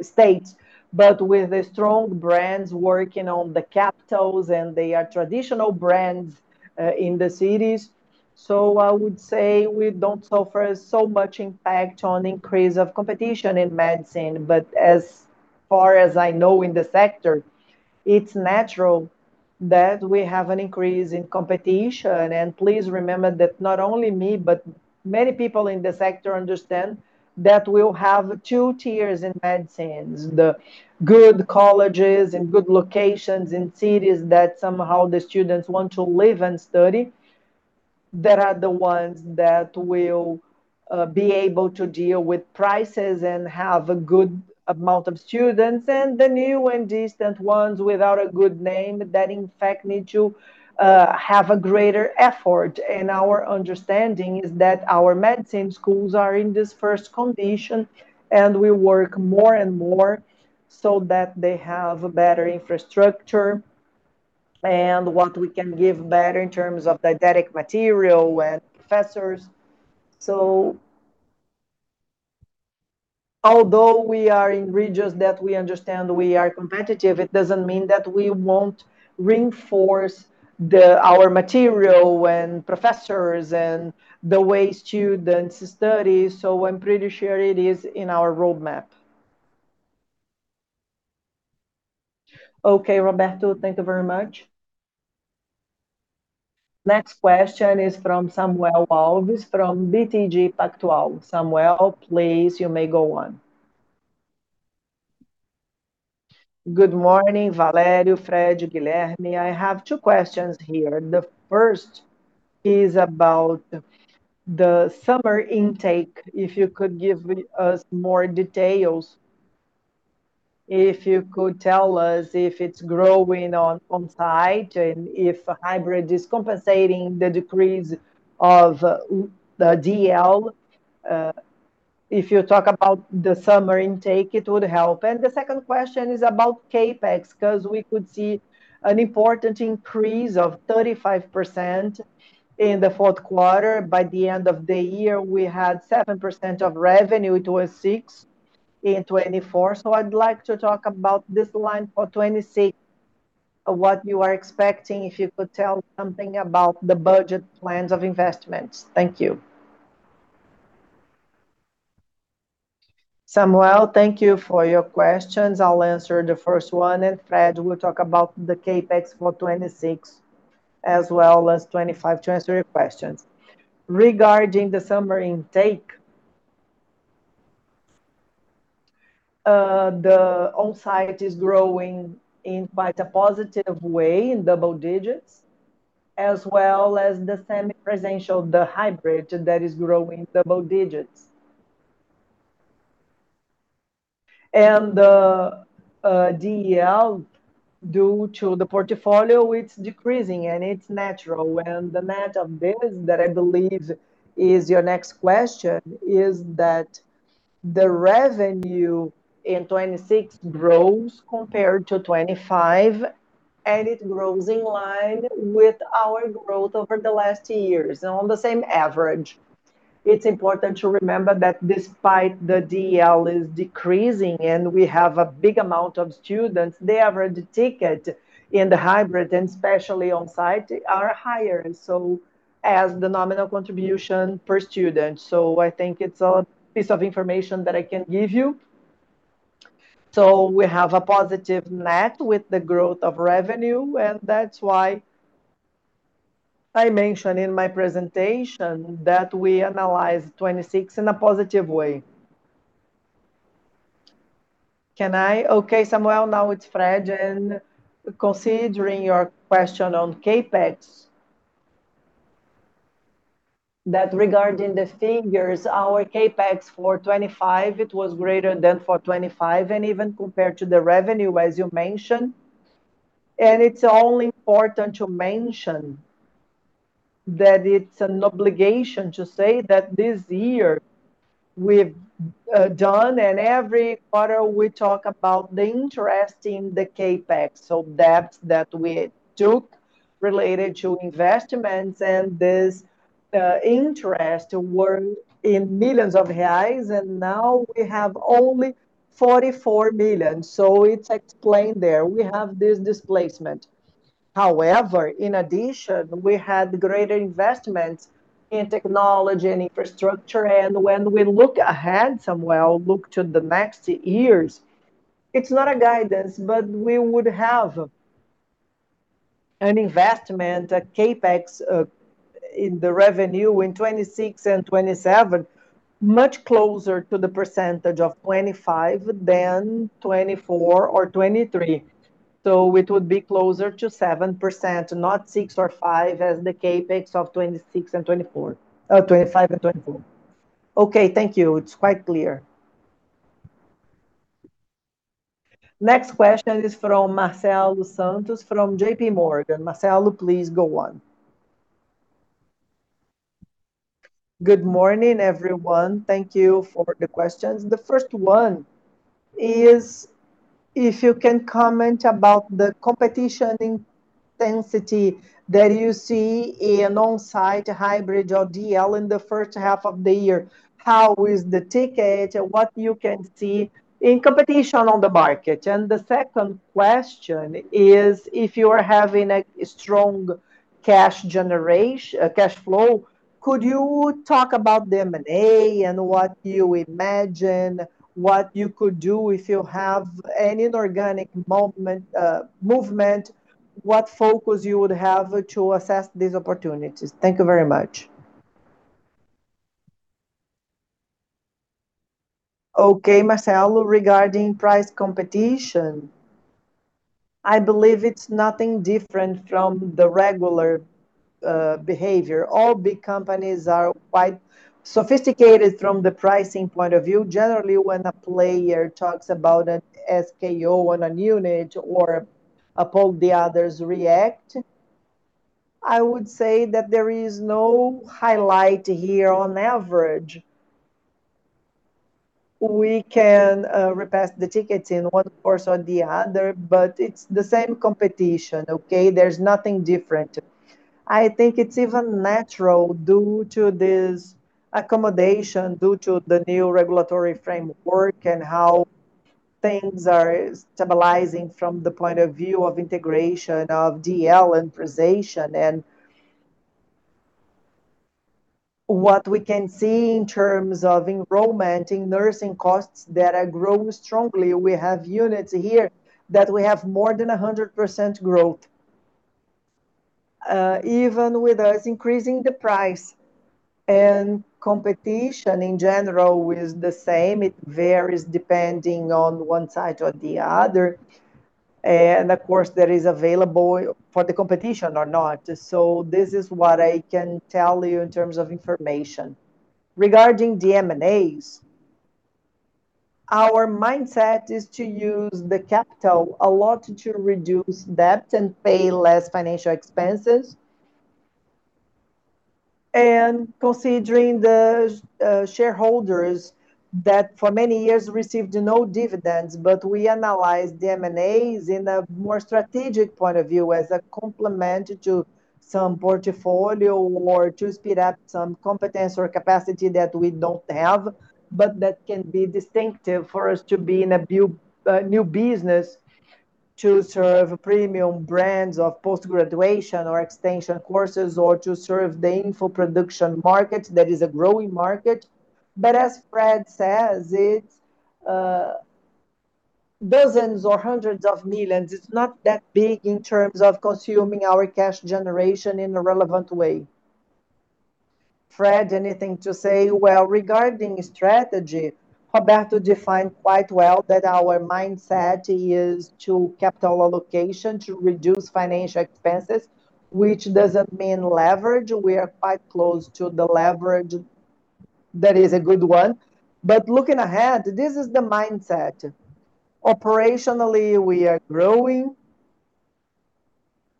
states, but with strong brands working on the capitals, and they are traditional brands in the cities. I would say we don't suffer so much impact on increase of competition in medicine. As far as I know in the sector, it's natural that we have an increase in competition. Please remember that not only me, but many people in the sector understand that we'll have two tiers in medicine. The good colleges and good locations in cities that somehow the students want to live and study, that are the ones that will be able to deal with prices and have a good amount of students. The new and distant ones without a good name that in fact need to have a greater effort. Our understanding is that our medicine schools are in this first condition and we work more and more so that they have a better infrastructure and what we can give better in terms of didactic material and professors. Although we are in regions that we understand we are competitive, it doesn't mean that we won't reinforce our material and professors and the way students study. I'm pretty sure it is in our roadmap. Okay, Roberto, thank you very much. Next question is from Samuel Alves from BTG Pactual. Samuel, please, you may go on. Good morning, Valério, Fred, Guilherme. I have two questions here. The first is about the summer intake. If you could give us more details. If you could tell us if it's growing on-site, and if hybrid is compensating the decrease of the DL, if you talk about the summer intake, it would help. The second question is about CapEx, 'cause we could see an important increase of 35% in the fourth quarter. By the end of the year, we had 7% of revenue. It was 6% in 2024. I'd like to talk about this line for 2026, what you are expecting, if you could tell something about the budget plans of investments. Thank you. Samuel, thank you for your questions. I'll answer the first one, and Fred will talk about the CapEx for 2026 as well as 2025 to answer your questions. Regarding the summer intake, the on-site is growing in quite a positive way, in double digits, as well as the semi-presential, the hybrid, that is growing double digits. DL, due to the portfolio, it's decreasing, and it's natural. The net of this, that I believe is your next question is that the revenue in 2026 grows compared to 2025, and it grows in line with our growth over the last years, on the same average. It's important to remember that despite the DL is decreasing and we have a big amount of students, the average ticket in the hybrid and especially on-site are higher, so as the nominal contribution per student. I think it's a piece of information that I can give you. We have a positive net with the growth of revenue, and that's why I mention in my presentation that we analyze 2026 in a positive way. Okay, Samuel, now it's Fred. Considering your question on CapEx, regarding the figures, our CapEx for 2025 it was greater than for 2025, and even compared to the revenue, as you mentioned. It's only important to mention that it's an obligation to say that this year we've done, and every quarter we talk about the interest in the CapEx, so debts that we took related to investments. This interest were in millions of BRL, and now we have only 44 million. It's explained there. We have this displacement. However, in addition, we had greater investments in technology and infrastructure. When we look ahead, Samuel, look to the next years, it's not a guidance, but we would have an investment, a CapEx, in the revenue in 2026 and 2027, much closer to the percentage of 2025 than 2024 or 2023. It would be closer to 7%, not 6% or 5% as the CapEx of 2026 and 2024, 2025 and 2024. Okay, thank you. It's quite clear. Next question is from Marcelo Santos from JPMorgan. Marcelo, please go on. Good morning, everyone. Thank you for the questions. The first one is if you can comment about the competition intensity that you see in on-site, hybrid or DL in the first half of the year. How is the ticket? What you can see in competition on the market? The second question is if you are having a strong cash flow. Could you talk about the M&A and what you imagine, what you could do if you have any inorganic movement, what focus you would have to assess these opportunities? Thank you very much. Okay, Marcelo. Regarding price competition, I believe it's nothing different from the regular behavior. All big companies are quite sophisticated from the pricing point of view. Generally, when a player talks about an SKU on a unit or uphold, the others react. I would say that there is no highlight here on average. We can repass the tickets in one course or the other, but it's the same competition, okay? There's nothing different. I think it's even natural due to this accommodation, due to the new regulatory framework and how things are stabilizing from the point of view of integration of DL and presencial. What we can see in terms of enrollment, in nursing courses that are growing strongly. We have units here that we have more than 100% growth, even with us increasing the price. Competition in general is the same. It varies depending on one side or the other. Of course, that is available for the competition or not. This is what I can tell you in terms of information. Regarding the M&As, our mindset is to use the capital a lot to reduce debt and pay less financial expenses. Considering the shareholders that for many years received no dividends, we analyzed the M&As in a more strategic point of view as a complement to some portfolio or to speed up some competence or capacity that we don't have, but that can be distinctive for us to be in a new business to serve premium brands of post-graduation or extension courses, or to serve the info production market that is a growing market. As Fred says, it's dozens or hundreds of millions. It's not that big in terms of consuming our cash generation in a relevant way. Fred, anything to say Well, regarding strategy, Roberto defined quite well that our mindset is to capital allocation, to reduce financial expenses, which doesn't mean leverage. We are quite close to the leverage that is a good one. Looking ahead, this is the mindset. Operationally, we are growing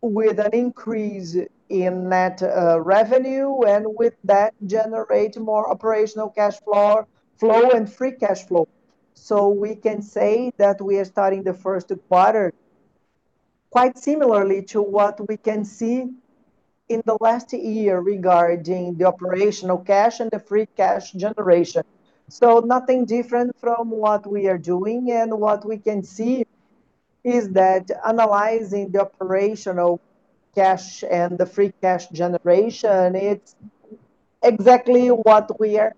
with an increase in net revenue and with that generate more operational cash flow and free cash flow. We can say that we are starting the first quarter quite similarly to what we can see in the last year regarding the operational cash and the free cash generation. Nothing different from what we are doing. What we can see is that analyzing the operational cash and the free cash generation, it's exactly what we are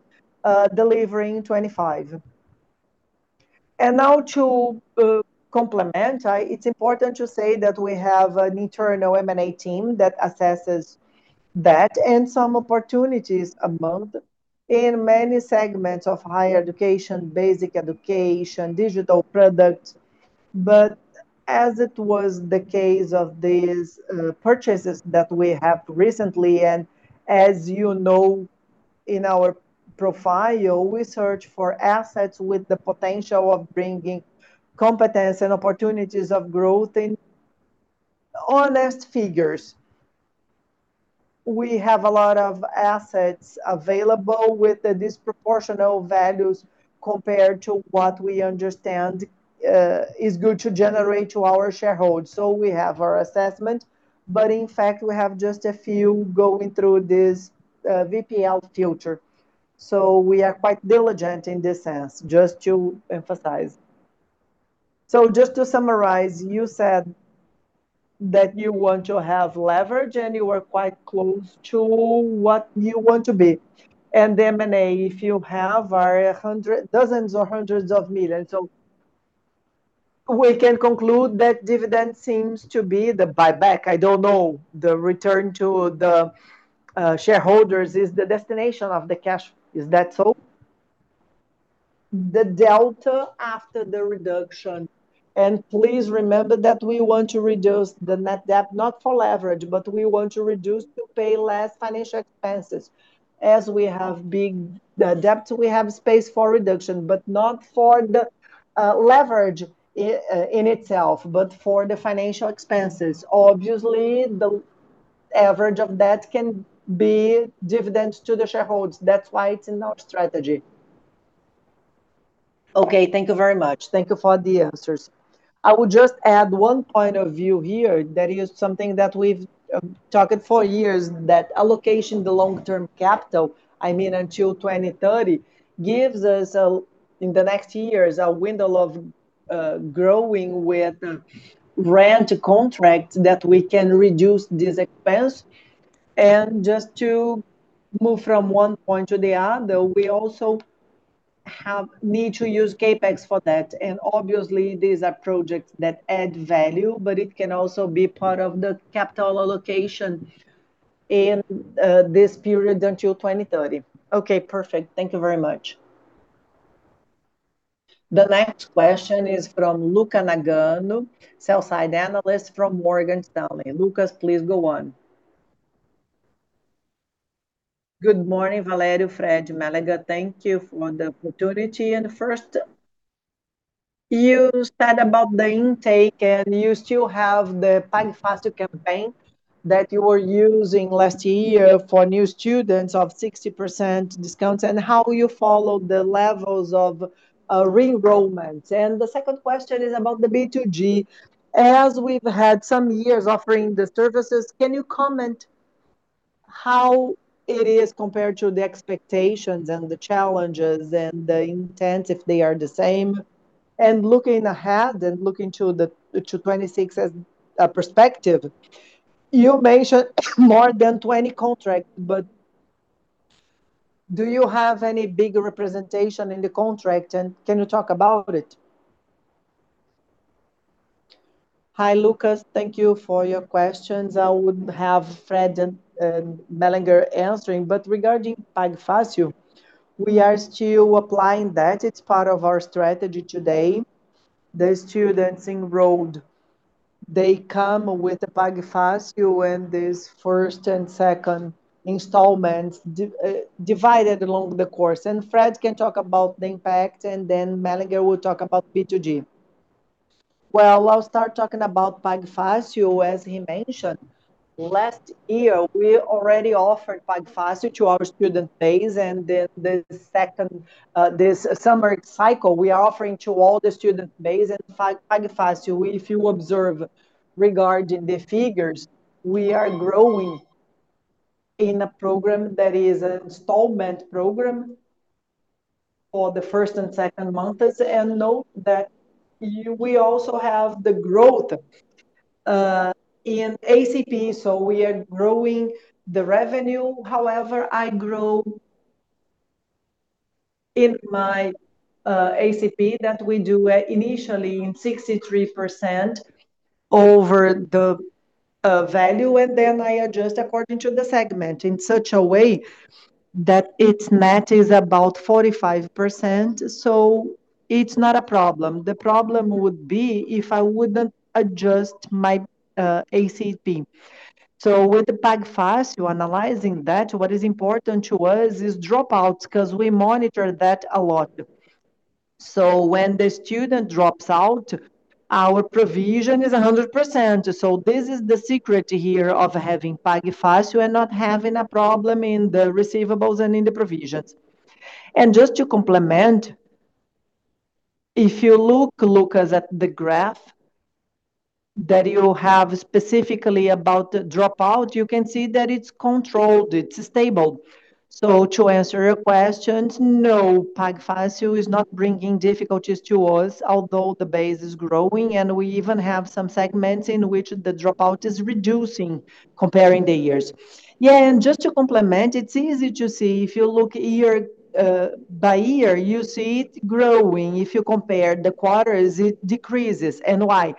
delivering in 2025. Now to complement, it's important to say that we have an internal M&A team that assesses that and some opportunities a month in many segments of higher education, basic education, digital products. As it was the case of these purchases that we have recently, and as you know in our profile, we search for assets with the potential of bringing complements and opportunities of growth in honest figures. We have a lot of assets available with the disproportionate values compared to what we understand is good to generate to our shareholders. We have our assessment, but in fact, we have just a few going through this VPL filter. We are quite diligent in this sense, just to emphasize. Just to summarize, you said that you want to have leverage and you are quite close to what you want to be. The M&A, if you have, are 100 million, dozens or hundreds of millions. We can conclude that dividend seems to be the buyback. I don't know. The return to the shareholders is the destination of the cash. Is that so? The delta after the reduction, please remember that we want to reduce the net debt, not for leverage, but we want to reduce to pay less financial expenses. As we have big debt, we have space for reduction, but not for the leverage in itself, but for the financial expenses. Obviously, the average of that can be dividends to the shareholders. That's why it's in our strategy. Okay, thank you very much. Thank you for the answers. I would just add one point of view here that is something that we've talked for years, that allocation the long-term capital, I mean, until 2030, gives us a, in the next years, a window of growing with rent contracts that we can reduce his expense. Just to move from one point to the other, we need to use CapEx for that. Obviously these are projects that add value, but it can also be part of the capital allocation in this period until 2030. Okay, perfect. Thank you very much. The next question is from Lucas Nagano, sell-side analyst from Morgan Stanley. Lucas, please go on. Good morning, Valério, Fred, Mélega. Thank you for the opportunity. First, you said about the intake, and you still have the Pague Fácil campaign that you were using last year for new students of 60% discounts, and how you follow the levels of re-enrollment. The second question is about the B2G. As we've had some years offering the services, can you comment how it is compared to the expectations and the challenges and the intent, if they are the same? Looking ahead and looking to 2026 as a perspective, you mentioned more than 20 contracts, but do you have any big representation in the contract, and can you talk about it? Hi, Lucas. Thank you for your questions. I would have Fred and Mélega answering. Regarding Pague Fácil, we are still applying that. It's part of our strategy today. The students enrolled, they come with the Pague Fácil and this first and second installments divided along the course. Fred can talk about the impact, and then Mélega will talk about B2G. Well, I'll start talking about Pague Fácil, as he mentioned. Last year, we already offered Pague Fácil to our student base, and this summer cycle, we are offering to all the student base at Pague Fácil. If you observe regarding the figures, we are growing in a program that is an installment program for the first and second months. Note that we also have the growth in ACP, so we are growing the revenue. However, I grow in my ACP that we do initially in 63% over the value, and then I adjust according to the segment in such a way that its net is about 45%. It's not a problem. The problem would be if I wouldn't adjust my ACP. With the Pague Fácil, analyzing that, what is important to us is dropouts, 'cause we monitor that a lot. When the student drops out, our provision is 100%. This is the secret here of having Pague Fácil and not having a problem in the receivables and in the provisions. Just to complement, if you look, Lucas, at the graph that you have specifically about the dropout, you can see that it's controlled, it's stable. To answer your questions, no, Pague Fácil is not bringing difficulties to us, although the base is growing and we even have some segments in which the dropout is reducing comparing the years. Yeah, just to complement, it's easy to see. If you look year by year, you see it growing. If you compare the quarters, it decreases. Why?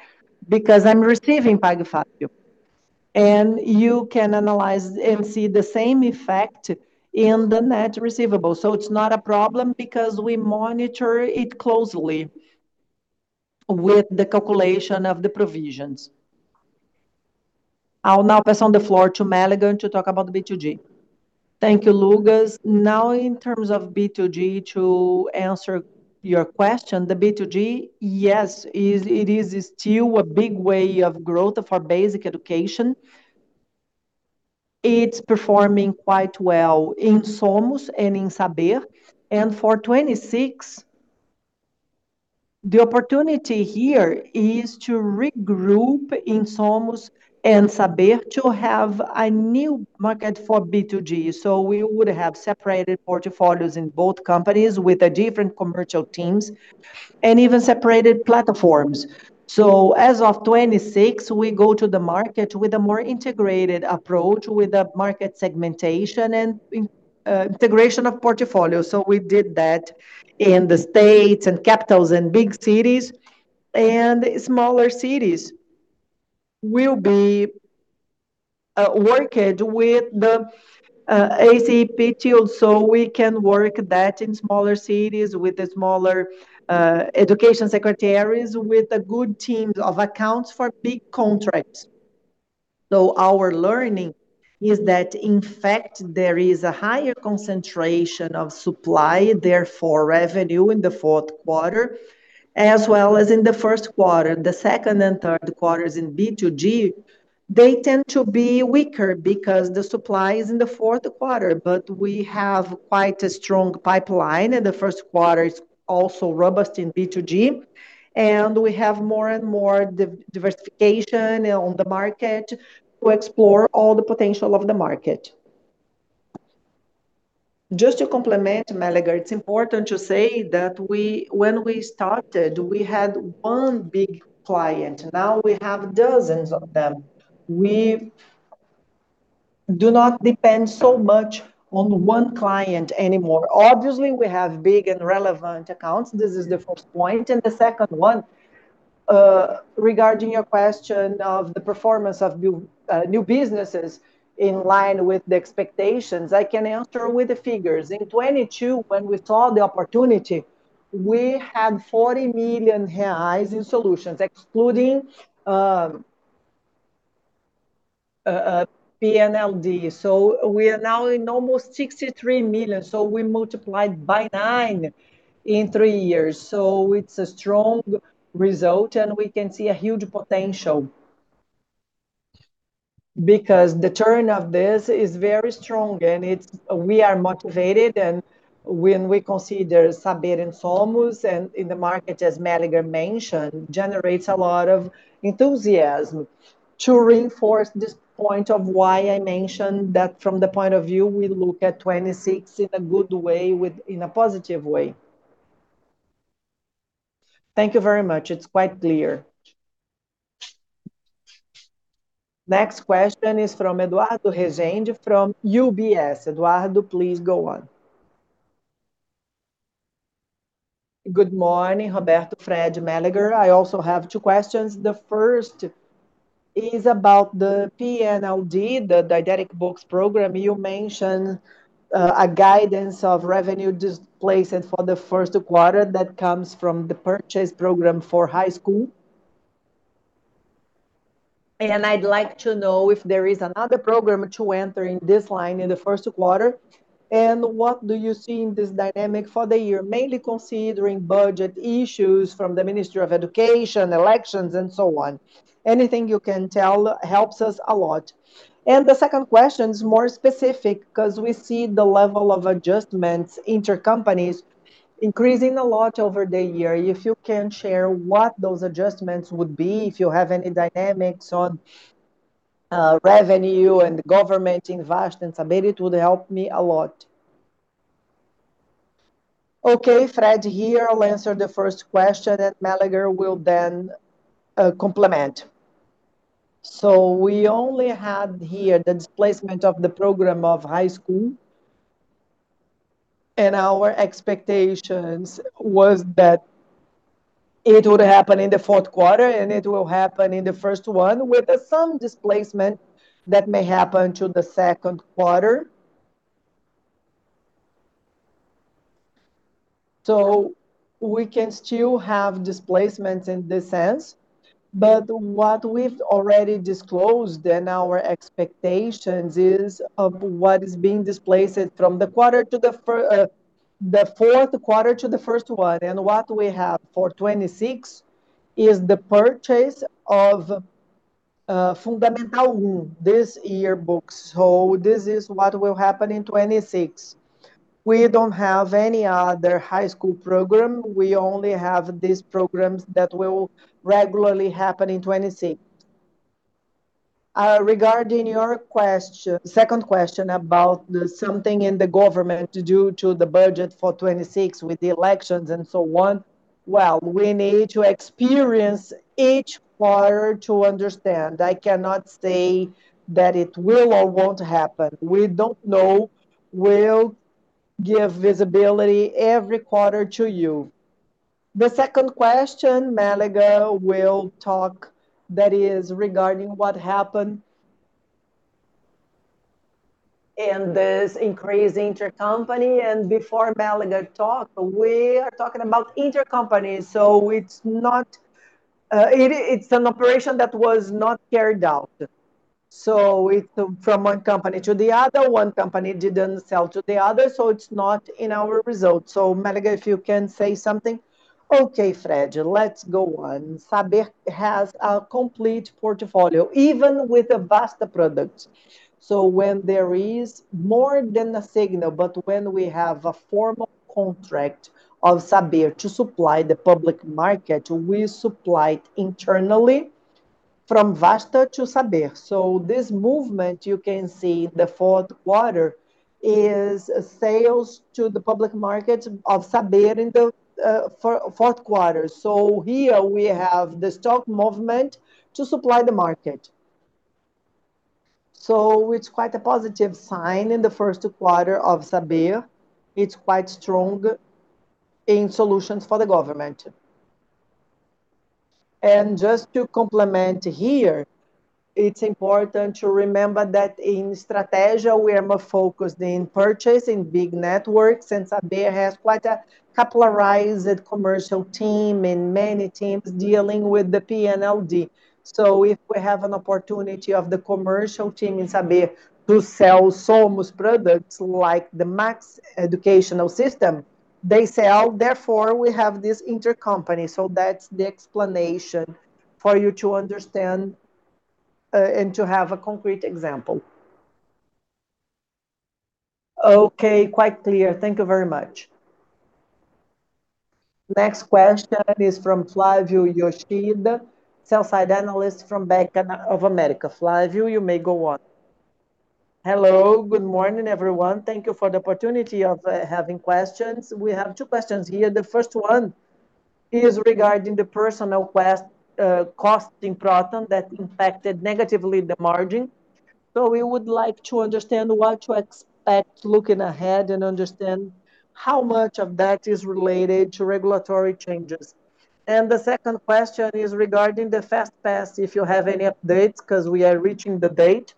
Because I'm receiving Pague Fácil. You can analyze and see the same effect in the net receivables. It's not a problem because we monitor it closely with the calculation of the provisions. I'll now pass on the floor to Guilherme Mélega to talk about the B2G. Thank you, Lucas. Now, in terms of B2G, to answer your question, the B2G, yes, it is still a big way of growth for basic education. It's performing quite well in SOMOS and in Saber. For 2026, the opportunity here is to regroup in SOMOS and Saber to have a new market for B2G. We would have separated portfolios in both companies with different commercial teams and even separated platforms. As of 2026, we go to the market with a more integrated approach with the market segmentation and integration of portfolios. We did that in the states and capitals in big cities. Smaller cities will be working with the ACP tool, so we can work that in smaller cities with the smaller education secretaries with a good team of accounts for big contracts. Our learning is that, in fact, there is a higher concentration of supply, therefore revenue, in the fourth quarter as well as in the first quarter. The second and third quarters in B2G, they tend to be weaker because the supply is in the fourth quarter. We have quite a strong pipeline, and the first quarter is also robust in B2G, and we have more and more diversification on the market to explore all the potential of the market. Just to complement, Guilherme Mélega, it's important to say that we, when we started, we had one big client. Now we have dozens of them. We do not depend so much on one client anymore. Obviously, we have big and relevant accounts. This is the first point. The second one, regarding your question of the performance of new businesses in line with the expectations, I can answer with the figures. In 2022, when we saw the opportunity, we had 40 million reais in solutions excluding PNLD. We are now in almost 63 million, so we multiplied by nine in three years. It's a strong result, and we can see a huge potential. Because the turn of this is very strong and it's we are motivated, and when we consider Saber and SOMOS and in the market, as Mélega mentioned, generates a lot of enthusiasm. To reinforce this point of why I mentioned that from the point of view, we look at 26 in a good way with in a positive way. Thank you very much. It's quite clear. Next question is from Eduardo Resende from UBS. Eduardo, please go on. Good morning, Roberto, Fred, Mélega. I also have two questions. The first is about the PNLD, the Didactic Books program. You mentioned a guidance of revenue displacement for the first quarter that comes from the purchase program for high school. I'd like to know if there is another program to enter in this line in the first quarter, and what do you see in this dynamic for the year, mainly considering budget issues from the Ministry of Education, elections, and so on. Anything you can tell helps us a lot. The second question is more specific, 'cause we see the level of adjustments intercompany increasing a lot over the year. If you can share what those adjustments would be, if you have any dynamics on revenue and government investments, it would help me a lot. Okay, Fred here will answer the first question, and Guilherme Mélega will then complement. We only had here the displacement of the program of high school. Our expectations was that it would happen in the fourth quarter, and it will happen in the first one with some displacement that may happen to the second quarter. We can still have displacements in this sense. What we've already disclosed in our expectations is of what is being displaced from the fourth quarter to the first one. What we have for 2026 is the purchase of Fundamental 1, this yearbook. This is what will happen in 2026. We don't have any other high school program. We only have these programs that will regularly happen in 2026. Regarding your second question about the PNLD in the government due to the budget for 2026 with the elections and so on. Well, we need to see each quarter to understand. I cannot say that it will or won't happen. We don't know. We'll give visibility every quarter to you. The second question, Guilherme Mélega will talk, that is regarding what happened in this increase intercompany. Before Guilherme Mélega talk, we are talking about intercompany, so it's not, it's an operation that was not carried out. So from one company to the other, one company didn't sell to the other, so it's not in our results. So Guilherme Mélega, if you can say something. Okay, Fred, let's go on. Saber has a complete portfolio, even with the Vasta products. When there is more than a signal, but when we have a formal contract of Saber to supply the public market, we supply it internally from Vasta to Saber. This movement, you can see the fourth quarter, is sales to the public market of Saber in the fourth quarter. Here we have the stock movement to supply the market. It's quite a positive sign in the first quarter of Saber. It's quite strong in solutions for the government. Just to complement here, it's important to remember that in Strategia we are more focused in purchasing big networks, and Saber has quite a capillarized commercial team and many teams dealing with the PNLD. If we have an opportunity of the commercial team in Saber to sell SOMOS products like the Maxi educational system, they sell, therefore, we have this intercompany. That's the explanation for you to understand, and to have a concrete example. Okay. Quite clear. Thank you very much. Next question is from Flavio Yoshida, sell-side analyst from Bank of America. Flavio, you may go on. Hello. Good morning, everyone. Thank you for the opportunity of having questions. We have two questions here. The first one is regarding the personnel costing problem that impacted negatively the margin. We would like to understand what to expect looking ahead and understand how much of that is related to regulatory changes. The second question is regarding the Fast Track, if you have any updates, 'cause we are reaching the date.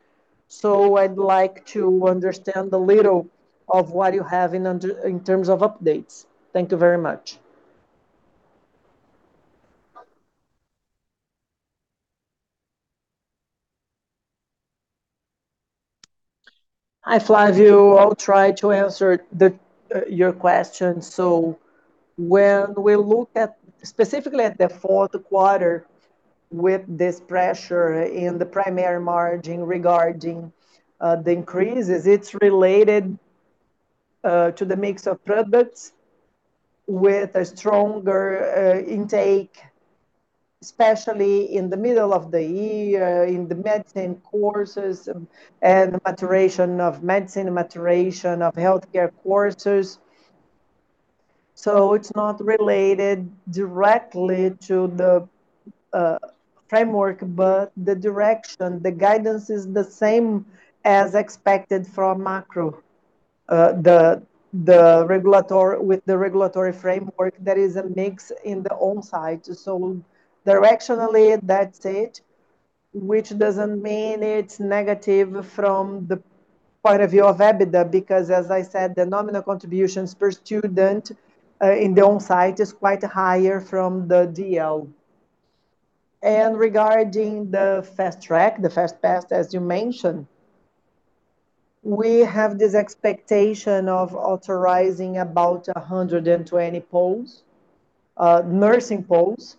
I'd like to understand a little of what you have in terms of updates. Thank you very much. Hi, Flávio. I'll try to answer your question. When we look at, specifically at the fourth quarter with this pressure in the primary margin regarding the increases, it's related to the mix of products with a stronger intake, especially in the middle of the year in the medicine courses and the maturation of medicine and healthcare courses. It's not related directly to the framework, but the direction, the guidance is the same as expected from macro. With the regulatory framework, there is a mix in the on-site. Directionally that's it, which doesn't mean it's negative from the point of view of EBITDA, because as I said, the nominal contributions per student in the on-site is quite higher from the DL. Regarding the Fast Track, the Fast Track, as you mentioned, we have this expectation of authorizing about 120 poles, nursing poles,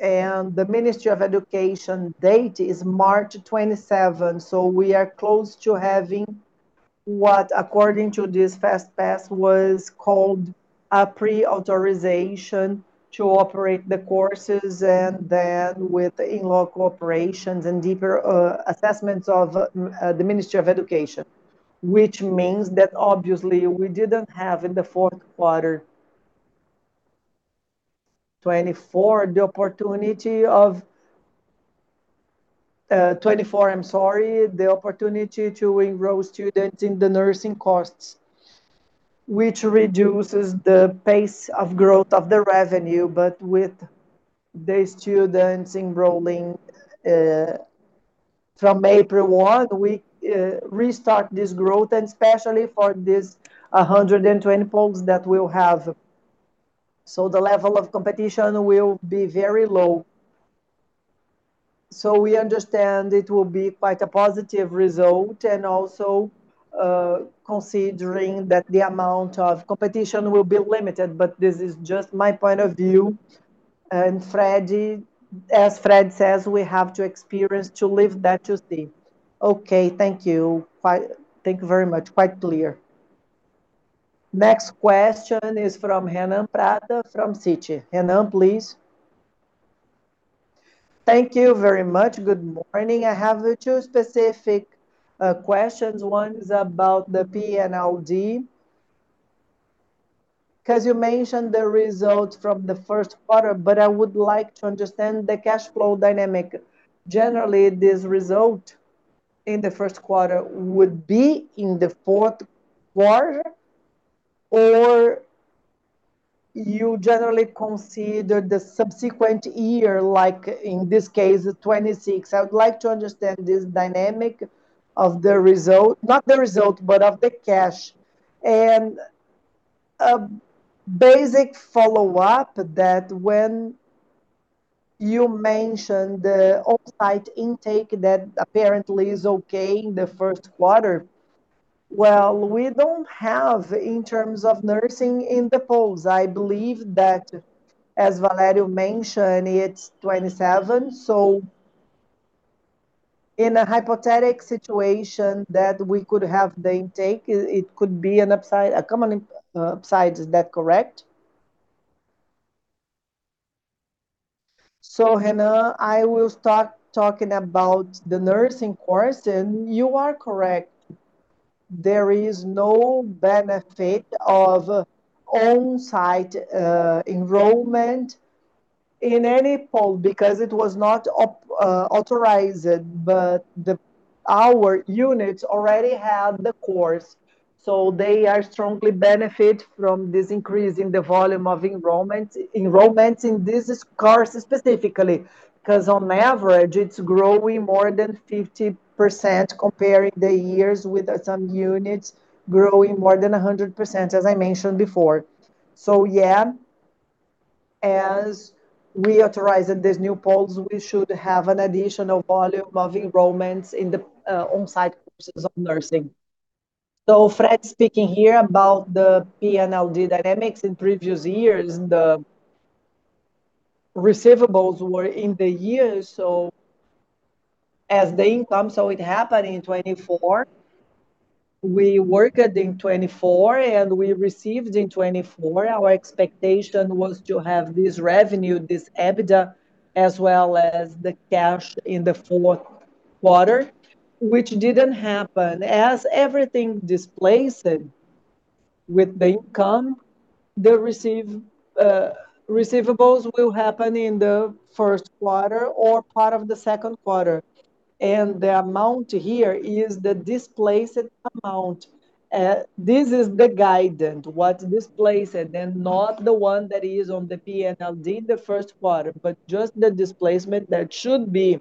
and the Ministry of Education date is March 27. We are close to having what, according to this Fast Track, was called a pre-authorization to operate the courses and then with in loco inspections and deeper assessments of the Ministry of Education. Which means that obviously we didn't have in the fourth quarter 2024 the opportunity to enroll students in the nursing course, which reduces the pace of growth of the revenue. With the students enrolling from April 1, we restart this growth and especially for this 120 poles that we'll have. The level of competition will be very low. We understand it will be quite a positive result and also, considering that the amount of competition will be limited, but this is just my point of view. As Fred says, we have to experience to live that to see. Okay. Thank you. Thank you very much. Quite clear. Next question is from Renan Prata from Citi. Renan, please. Thank you very much. Good morning. I have two specific questions. One is about the PNLD. 'Cause you mentioned the results from the first quarter, but I would like to understand the cash flow dynamic. Generally, this result in the first quarter would be in the fourth quarter, or you generally consider the subsequent year, like in this case, 2026. I would like to understand this dynamic of the result, not the result, but of the cash. A basic follow-up that when you mentioned the on-site intake that apparently is okay in the first quarter. Well, we don't have in terms of nursing in the poles. I believe that, as Villa mentioned, it's 27. In a hypothetical situation that we could have the intake, it could be an upside, a common upside. Is that correct? Renan, I will start talking about the nursing course, and you are correct. There is no benefit of on-site enrollment in any pole because it was not authorized, but our units already had the course, so they are strongly benefit from this increase in the volume of enrollment in this course specifically. 'Cause on average, it's growing more than 50% comparing the years with some units growing more than 100%, as I mentioned before. Yeah, as we authorize these new poles, we should have an additional volume of enrollments in the on-site courses of nursing. Fred speaking here about the PNLD dynamics in previous years, the receivables were in the year, so as the income, so it happened in 2024. We worked in 2024 and we received in 2024. Our expectation was to have this revenue, this EBITDA, as well as the cash in the fourth quarter, which didn't happen. As everything displaced with the income, the receivables will happen in the first quarter or part of the second quarter. The amount here is the displaced amount. This is the guidance, what's displaced, and not the one that is on the P&L in the first quarter, but just the displacement that should be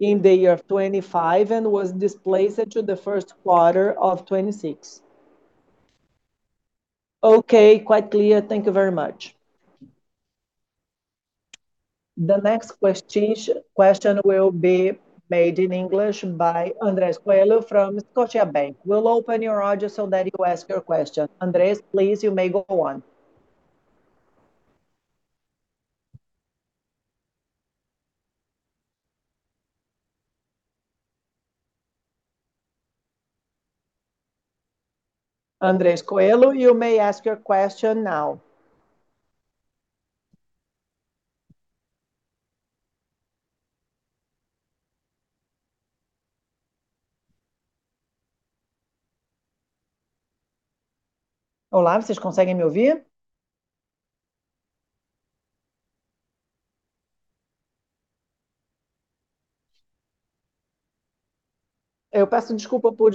in the year of 2025 and was displaced to the first quarter of 2026. Okay. Quite clear. Thank you very much. The next question will be made in English by Andres Coello from Scotiabank. We'll open your audio so that you ask your question. Andres, please, you may go on. Andres Coello, you may ask your question now. Olá, vocês conseguem me ouvir? Eu peço desculpa por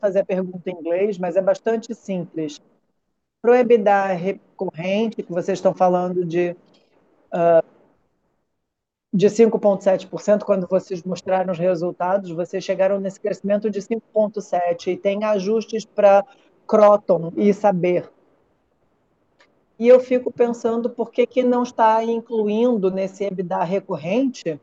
fazer a pergunta em inglês, mas é bastante simples. Pro EBITDA recorrente, que vocês estão falando de 5.7% quando vocês mostraram os resultados, vocês chegaram nesse crescimento de 5.7 e tem ajustes pra Kroton e Saber. Eu fico pensando por que que não está incluindo nesse EBITDA recorrente,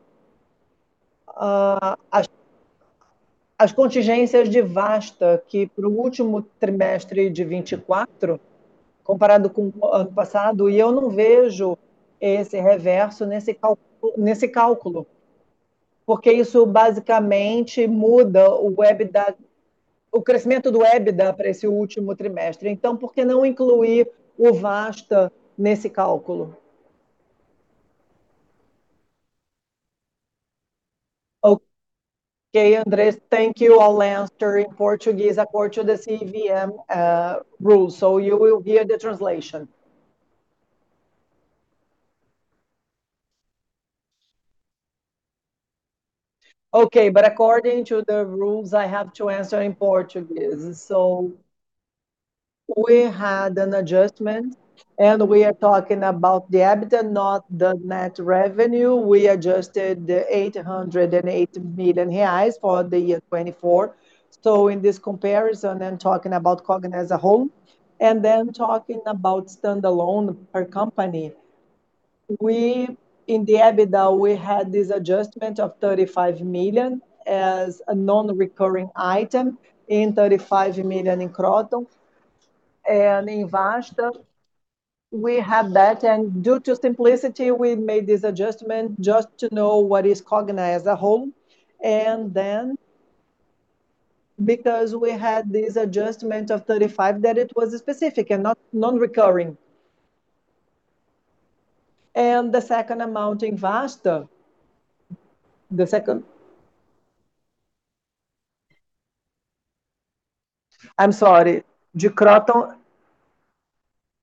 as contingências de Vasta, que pro último trimestre de 2024, comparado com o ano passado, e eu não vejo esse reverso nesse cálculo. Porque isso basicamente muda o EBITDA o crescimento do EBITDA pra esse último trimestre. Então por que não incluir o Vasta nesse cálculo? Okay, Andres. Thank you. I'll answer in Portuguese according to the CVM rules. You will hear the translation. Okay, but according to the rules, I have to answer in Portuguese. We had an adjustment, and we are talking about the EBITDA, not the net revenue. We adjusted 880 million reais for the year 2024. In this comparison, I'm talking about Cogna as a whole, and then talking about standalone per company. In the EBITDA, we had this adjustment of 35 million as a non-recurring item, and 35 million in Kroton. In Vasta, we had that. Due to simplicity, we made this adjustment just to know what is Cogna as a whole. Because we had this adjustment of 35, that it was specific and non-recurring. The second amount in Vasta. I'm sorry. The Kroton.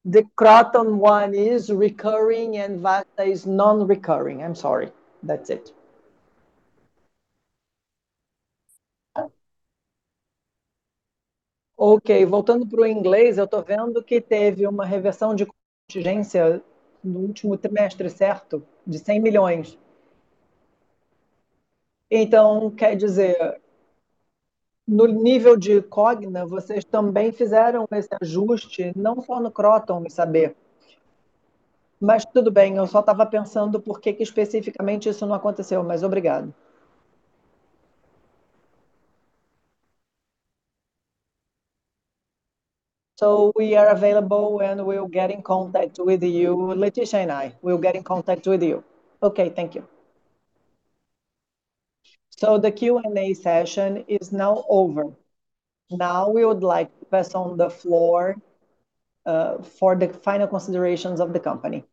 The Kroton one is recurring and Vasta is non-recurring. I'm sorry. That's it. Ok. Voltando pro inglês, eu tô vendo que teve uma reversão de contingência no último trimestre, certo? De 100 milhões. Então, quer dizer, no nível de Cogna, vocês também fizeram esse ajuste, não só no Kroton e Saber. Mas tudo bem, eu só tava pensando por que que especificamente isso não aconteceu, mas obrigada. We are available and we will get in contact with you, Leticia and I. Okay. Thank you. The Q&A session is now over. Now we would like to pass the floor for the final considerations of the company.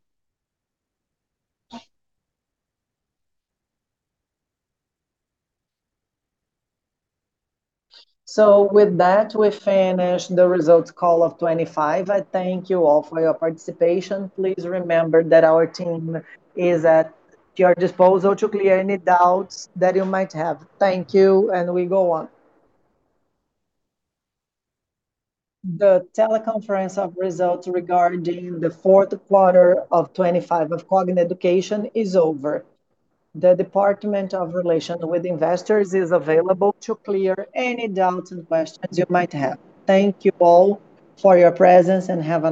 With that, we finish the results call of 2025. I thank you all for your participation. Please remember that our team is at your disposal to clear any doubts that you might have. Thank you, and we go on. The teleconference of results regarding the fourth quarter of 2025 of Cogna Educação is over. The Investor Relations Department is available to clear any doubts and questions you might have. Thank you all for your presence and have a nice day.